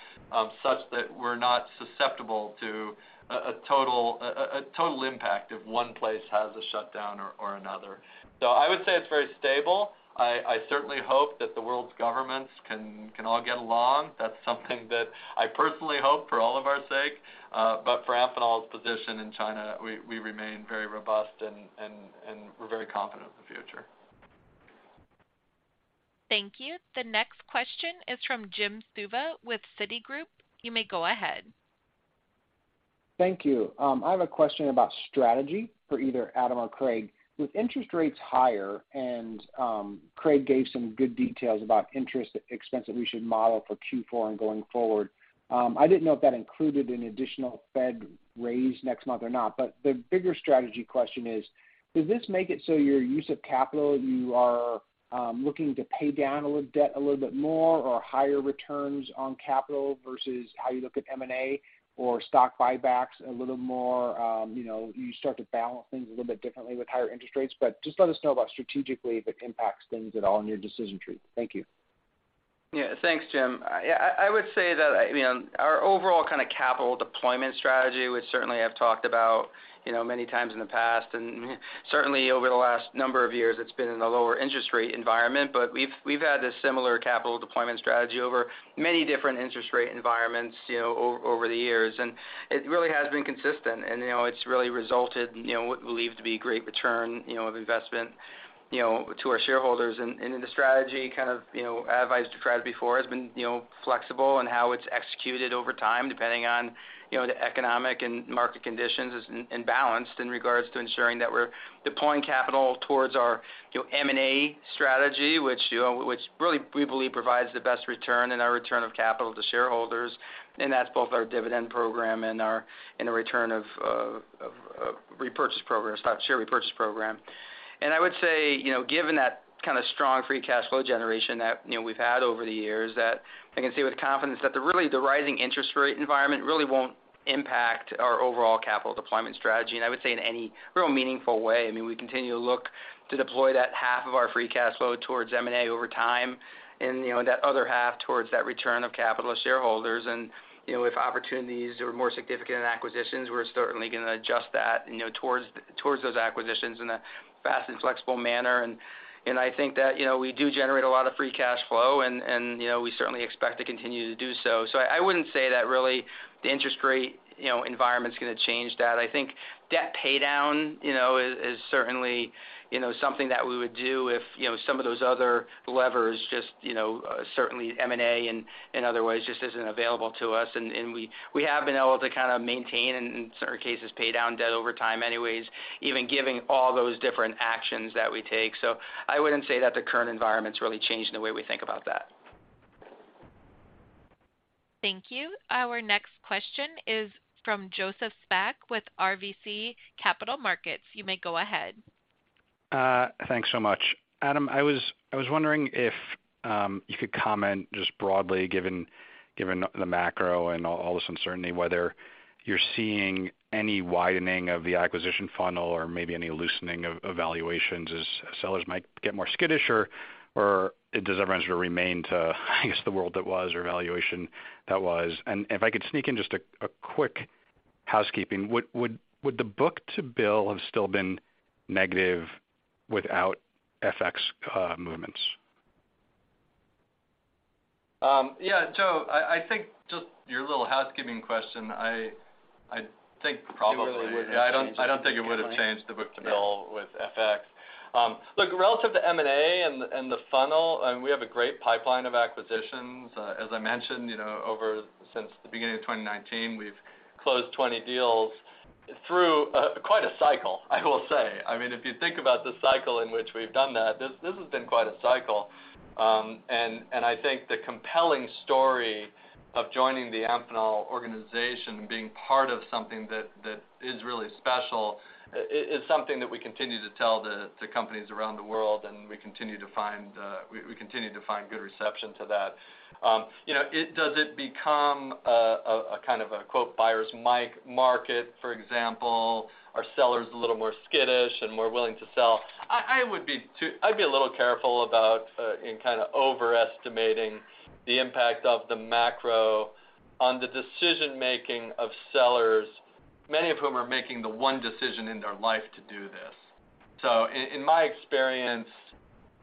such that we're not susceptible to a total impact if one place has a shutdown or another. I would say it's very stable. I certainly hope that the world's governments can all get along. That's something that I personally hope for all of our sake. For Amphenol's position in China, we remain very robust and we're very confident in the future. Thank you. The next question is from Jim Suva with Citigroup. You may go ahead. Thank you. I have a question about strategy for either Adam or Craig. With interest rates higher, and, Craig gave some good details about interest expense that we should model for Q4 and going forward. I didn't know if that included an additional Fed raise next month or not. The bigger strategy question is, does this make it so your use of capital, you are looking to pay down a little debt a little bit more or higher returns on capital versus how you look at M&A or stock buybacks a little more, you know, you start to balance things a little bit differently with higher interest rates? Just let us know about strategically if it impacts things at all in your decision tree. Thank you. Yeah. Thanks, Jim. I would say that, I mean, our overall kind of capital deployment strategy, which certainly I've talked about, you know, many times in the past, and certainly over the last number of years, it's been in a lower interest rate environment. But we've had a similar capital deployment strategy over many different interest rate environments, you know, over the years, and it really has been consistent. You know, it's really resulted in, you know, what we believe to be great return, you know, of investment, you know, to our shareholders. The strategy kind of, you know, as I've described before, has been, you know, flexible in how it's executed over time, depending on, you know, the economic and market conditions and balanced in regards to ensuring that we're deploying capital towards our, you know, M&A strategy, which, you know, really we believe provides the best return in our return of capital to shareholders. That's both our dividend program and our return of capital repurchase program, stock share repurchase program. I would say, you know, given that kind of strong free cash flow generation that, you know, we've had over the years, that I can say with confidence that the rising interest rate environment really won't impact our overall capital deployment strategy, and I would say in any real meaningful way. I mean, we continue to look to deploy that half of our free cash flow towards M&A over time and, you know, that other half towards that return of capital to shareholders. You know, if opportunities are more significant in acquisitions, we're certainly gonna adjust that, you know, towards those acquisitions in a fast and flexible manner. I think that, you know, we do generate a lot of free cash flow and, you know, we certainly expect to continue to do so. I wouldn't say that really the interest rate, you know, environment's gonna change that. I think debt paydown, you know, is certainly, you know, something that we would do if, you know, some of those other levers just, you know, certainly M&A and in other ways just isn't available to us. We have been able to kind of maintain and in certain cases, pay down debt over time anyways, even giving all those different actions that we take. I wouldn't say that the current environment's really changed the way we think about that. Thank you. Our next question is from Joseph Spak with RBC Capital Markets. You may go ahead. Thanks so much. Adam, I was wondering if you could comment just broadly, given the macro and all this uncertainty, whether you're seeing any widening of the acquisition funnel or maybe any loosening of valuations as sellers might get more skittish? Or does everyone sort of remain true to, I guess, the world that was or valuation that was? If I could sneak in just a quick housekeeping. Would the book-to-bill have still been negative without FX movements? Yeah, Joe, I think just your little housekeeping question, I think probably. It really wouldn't have changed it. Yeah, I don't think it would have changed the book-to-bill with FX. Look, relative to M&A and the funnel, we have a great pipeline of acquisitions. As I mentioned, you know, ever since the beginning of 2019, we've closed 20 deals through quite a cycle, I will say. I mean, if you think about the cycle in which we've done that, this has been quite a cycle. And I think the compelling story of joining the Amphenol organization and being part of something that is really special is something that we continue to tell the companies around the world, and we continue to find good reception to that. You know, does it become a kind of a "buyer's market," for example? Are sellers a little more skittish and more willing to sell? I would be too. I'd be a little careful about in kind of overestimating the impact of the macro on the decision-making of sellers, many of whom are making the one decision in their life to do this. In my experience,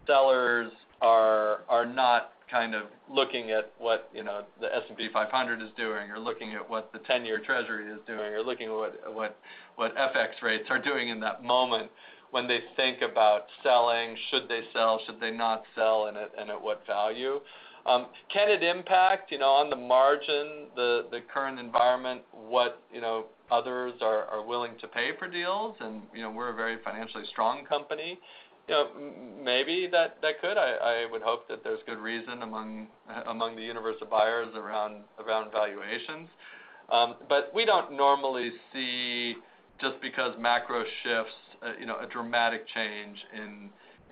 sellers are not kind of looking at what, you know, the S&P 500 is doing, or looking at what the 10-year Treasury is doing, or looking at what FX rates are doing in that moment when they think about selling, should they sell, should they not sell, and at what value. Can it impact, you know, on the margin the current environment, what, you know, others are willing to pay for deals? You know, we're a very financially strong company. You know, maybe that could. I would hope that there's good reason among the universe of buyers around valuations. But we don't normally see just because macro shifts, you know, a dramatic change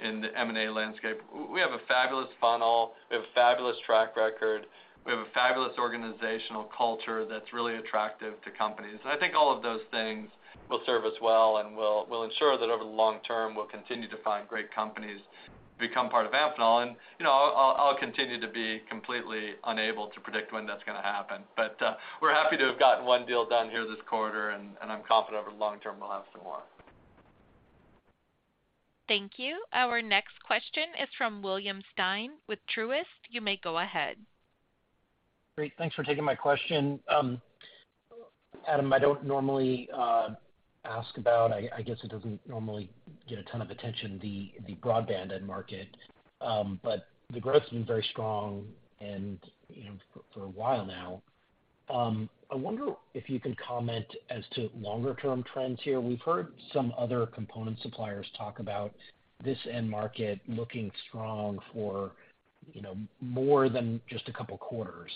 in the M&A landscape. We have a fabulous funnel. We have a fabulous track record. We have a fabulous organizational culture that's really attractive to companies. I think all of those things will serve us well and will ensure that over the long-term, we'll continue to find great companies to become part of Amphenol. You know, I'll continue to be completely unable to predict when that's gonna happen. We're happy to have gotten one deal done here this quarter, and I'm confident over the long-term we'll have some more. Thank you. Our next question is from William Stein with Truist. You may go ahead. Great. Thanks for taking my question. Adam, I don't normally ask about. I guess it doesn't normally get a ton of attention, the broadband end market. The growth's been very strong and, you know, for a while now. I wonder if you can comment as to longer term trends here. We've heard some other component suppliers talk about this end market looking strong for, you know, more than just a couple quarters.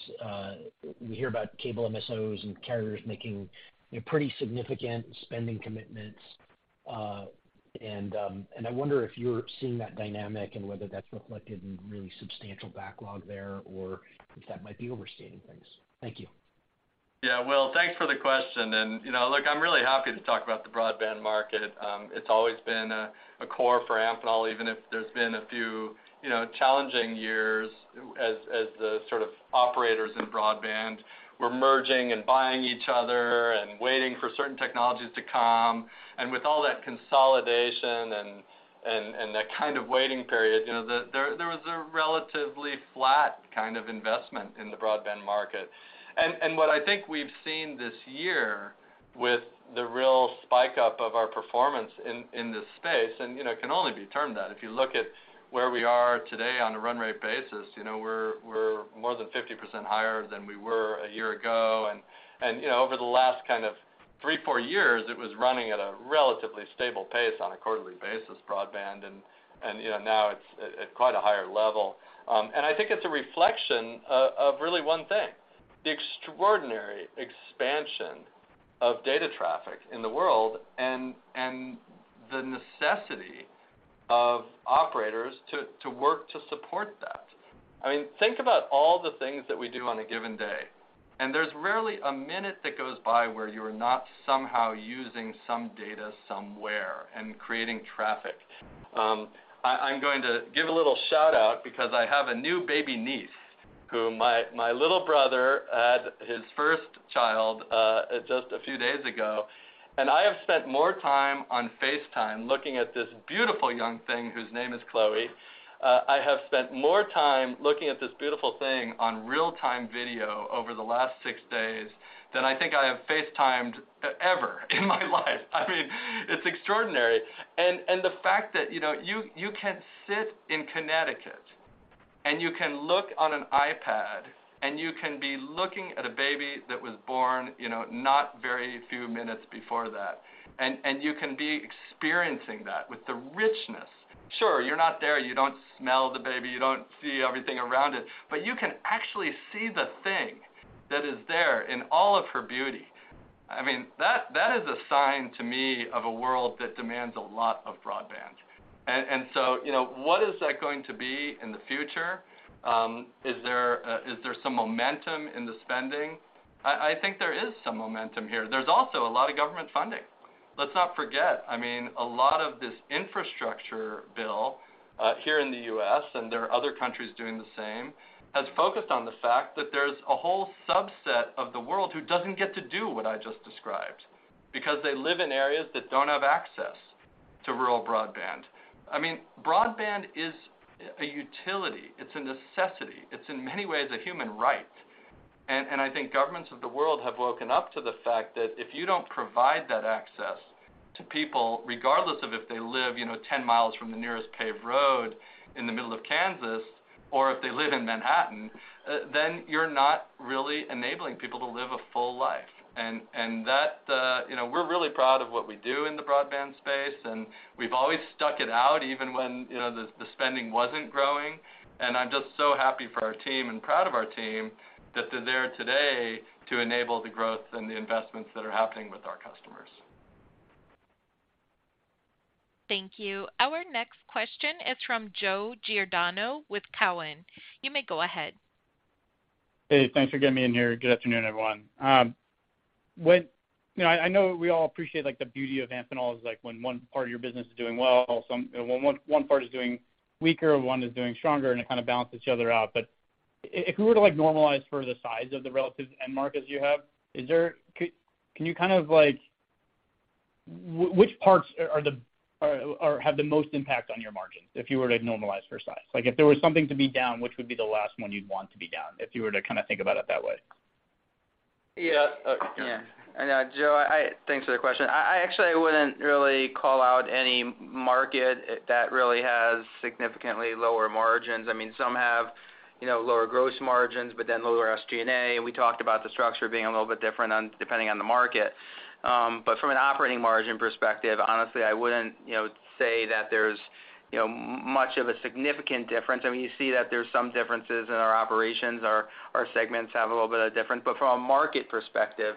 We hear about cable MSOs and carriers making, you know, pretty significant spending commitments. I wonder if you're seeing that dynamic and whether that's reflected in really substantial backlog there or if that might be overstating things. Thank you. Yeah, Will, thanks for the question. You know, look, I'm really happy to talk about the broadband market. It's always been a core for Amphenol, even if there's been a few, you know, challenging years as the sort of operators in broadband were merging and buying each other and waiting for certain technologies to come. With all that consolidation and that kind of waiting period, you know, there was a relatively flat kind of investment in the broadband market. What I think we've seen this year with the real spike up of our performance in this space, and, you know, it can only be termed that. If you look at where we are today on a run rate basis, you know, we're more than 50% higher than we were a year ago. You know, over the last kind of three, four years, it was running at a relatively stable pace on a quarterly basis, broadband, and you know, now it's at quite a higher level. I think it's a reflection of really one thing, the extraordinary expansion of data traffic in the world and the necessity of operators to work to support that. I mean, think about all the things that we do on a given day, and there's rarely a minute that goes by where you're not somehow using some data somewhere and creating traffic. I'm going to give a little shout-out because I have a new baby niece who my little brother had his first child just a few days ago. I have spent more time on FaceTime looking at this beautiful young thing, whose name is Chloe. I have spent more time looking at this beautiful thing on real-time video over the last six days than I think I have FaceTimed ever in my life. I mean, it's extraordinary. The fact that you can sit in Connecticut, and you can look on an iPad, and you can be looking at a baby that was born only a few minutes before that. You can be experiencing that with the richness. Sure, you're not there. You don't smell the baby. You don't see everything around it. But you can actually see the thing that is there in all of her beauty. I mean, that is a sign to me of a world that demands a lot of broadband. You know, what is that going to be in the future? Is there some momentum in the spending? I think there is some momentum here. There's also a lot of government funding. Let's not forget, I mean, a lot of this infrastructure bill here in the U.S., and there are other countries doing the same, has focused on the fact that there's a whole subset of the world who doesn't get to do what I just described because they live in areas that don't have access to rural broadband. I mean, broadband is a utility. It's a necessity. It's in many ways a human right. I think governments of the world have woken up to the fact that if you don't provide that access to people, regardless of if they live, you know, 10 miles from the nearest paved road in the middle of Kansas or if they live in Manhattan, then you're not really enabling people to live a full life. That, you know, we're really proud of what we do in the broadband space, and we've always stuck it out even when, you know, the spending wasn't growing. I'm just so happy for our team and proud of our team that they're there today to enable the growth and the investments that are happening with our customers. Thank you. Our next question is from Joseph Giordano with Cowen. You may go ahead. Hey, thanks for getting me in here. Good afternoon, everyone. You know, I know we all appreciate, like, the beauty of Amphenol is, like, when one part of your business is doing well, you know, when one part is doing weaker and one is doing stronger and it kind of balances each other out. If we were to, like, normalize for the size of the relative end markets you have, can you kind of like which parts are the have the most impact on your margins if you were to normalize for size? Like, if there was something to be down, which would be the last one you'd want to be down, if you were to kinda think about it that way? Yeah. Joe, thanks for the question. I actually wouldn't really call out any market that really has significantly lower margins. I mean, some have, you know, lower gross margins but then lower SG&A. We talked about the structure being a little bit different depending on the market. But from an operating margin perspective, honestly, I wouldn't, you know, say that there's, you know, much of a significant difference. I mean, you see that there's some differences in our operations. Our segments have a little bit of difference. But from a market perspective,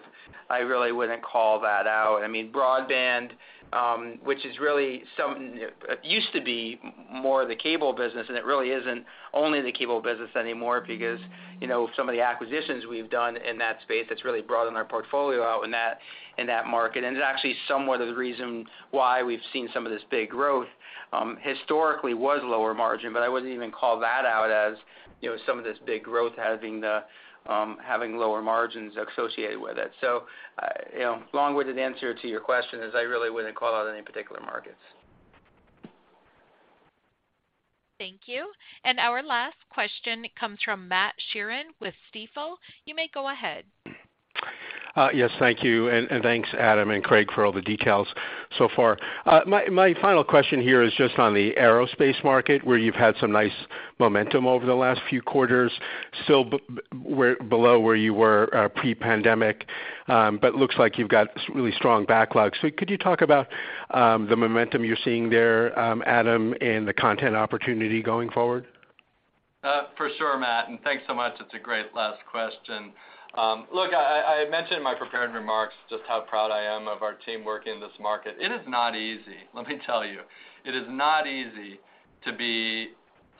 I really wouldn't call that out. I mean, broadband, which is really it used to be more the cable business, and it really isn't only the cable business anymore because, you know, some of the acquisitions we've done in that space that's really broadened our portfolio out in that market, and it's actually somewhat of the reason why we've seen some of this big growth, historically was lower margin, but I wouldn't even call that out as, you know, some of this big growth having the lower margins associated with it. You know, long-winded answer to your question is I really wouldn't call out any particular markets. Thank you. Our last question comes from Matthew Sheerin with Stifel. You may go ahead. Yes, thank you. Thanks, Adam and Craig, for all the details so far. My final question here is just on the aerospace market, where you've had some nice momentum over the last few quarters. Still below where you were pre-pandemic, but looks like you've got really strong backlog. Could you talk about the momentum you're seeing there, Adam, and the content opportunity going forward? For sure, Matt, thanks so much. It's a great last question. Look, I mentioned in my prepared remarks just how proud I am of our team working in this market. It is not easy, let me tell you. It is not easy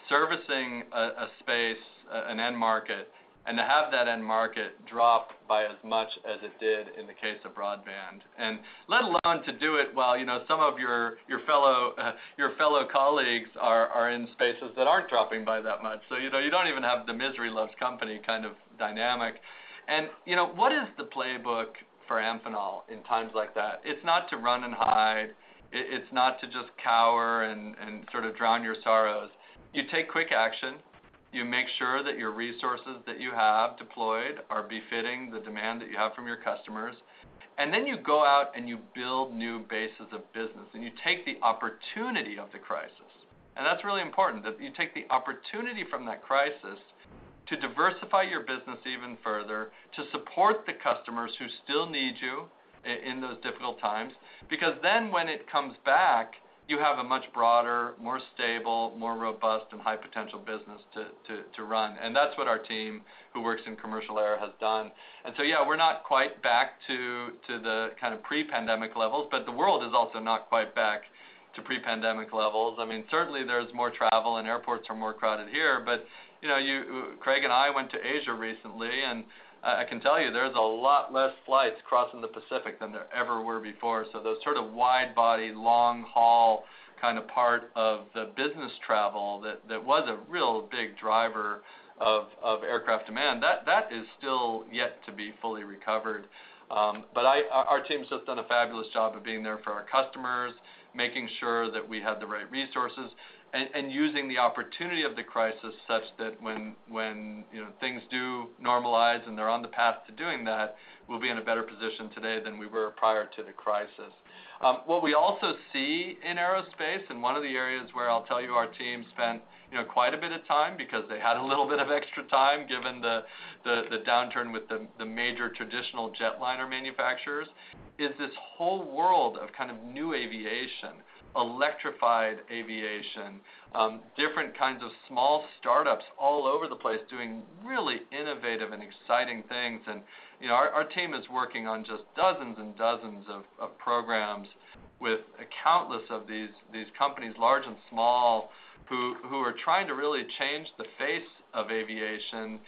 servicing a space, an end market, and to have that end market drop by as much as it did in the case of broadband, and let alone to do it while, you know, some of your fellow colleagues are in spaces that aren't dropping by that much. You know, what is the playbook for Amphenol in times like that? It's not to run and hide. It's not to just cower and sort of drown your sorrows. You take quick action. You make sure that your resources that you have deployed are befitting the demand that you have from your customers, and then you go out, and you build new bases of business, and you take the opportunity of the crisis. That's really important. That you take the opportunity from that crisis to diversify your business even further, to support the customers who still need you in those difficult times. Because then when it comes back, you have a much broader, more stable, more robust and high potential business to run. That's what our team who works in commercial air has done. Yeah, we're not quite back to the kind of pre-pandemic levels, but the world is also not quite back to pre-pandemic levels. I mean, certainly, there's more travel, and airports are more crowded here, but, you know, you, Craig and I went to Asia recently, and I can tell you there's a lot less flights crossing the Pacific than there ever were before. Those sort of wide-body, long-haul kinda part of the business travel that was a real big driver of aircraft demand, that is still yet to be fully recovered. Our team's just done a fabulous job of being there for our customers, making sure that we have the right resources and using the opportunity of the crisis such that when, you know, things do normalize, and they're on the path to doing that, we'll be in a better position today than we were prior to the crisis. What we also see in aerospace and one of the areas where I'll tell you, our team spent, you know, quite a bit of time because they had a little bit of extra time, given the downturn with the major traditional jetliner manufacturers, is this whole world of kind of new aviation, electrified aviation, different kinds of small startups all over the place doing really innovative and exciting things. You know, our team is working on just dozens and dozens of programs with countless of these companies, large and small, who are trying to really change the face of aviation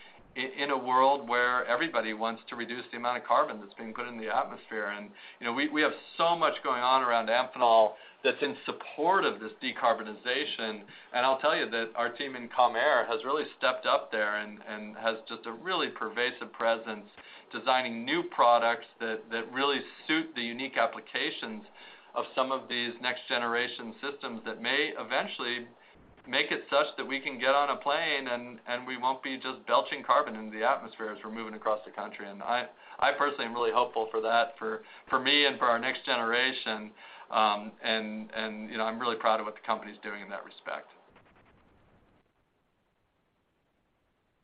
in a world where everybody wants to reduce the amount of carbon that's being put in the atmosphere. You know, we have so much going on around Amphenol that's in support of this decarbonization. I'll tell you that our team in commercial air has really stepped up there and has just a really pervasive presence, designing new products that really suit the unique applications of some of these next-generation systems that may eventually make it such that we can get on a plane, and we won't be just belching carbon into the atmosphere as we're moving across the country. I personally am really hopeful for that for me and for our next generation. You know, I'm really proud of what the company's doing in that respect.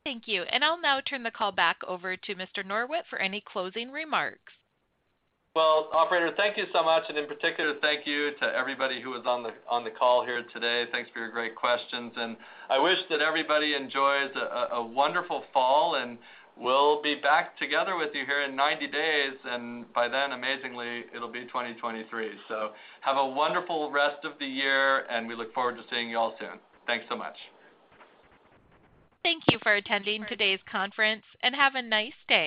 Thank you. I'll now turn the call back over to Mr. Norwitt for any closing remarks. Well, operator, thank you so much, and in particular, thank you to everybody who was on the, on the call here today. Thanks for your great questions. I wish that everybody enjoys a wonderful fall, and we'll be back together with you here in 90 days, and by then, amazingly, it'll be 2023. Have a wonderful rest of the year, and we look forward to seeing you all soon. Thanks so much. Thank you for attending today's conference, and have a nice day.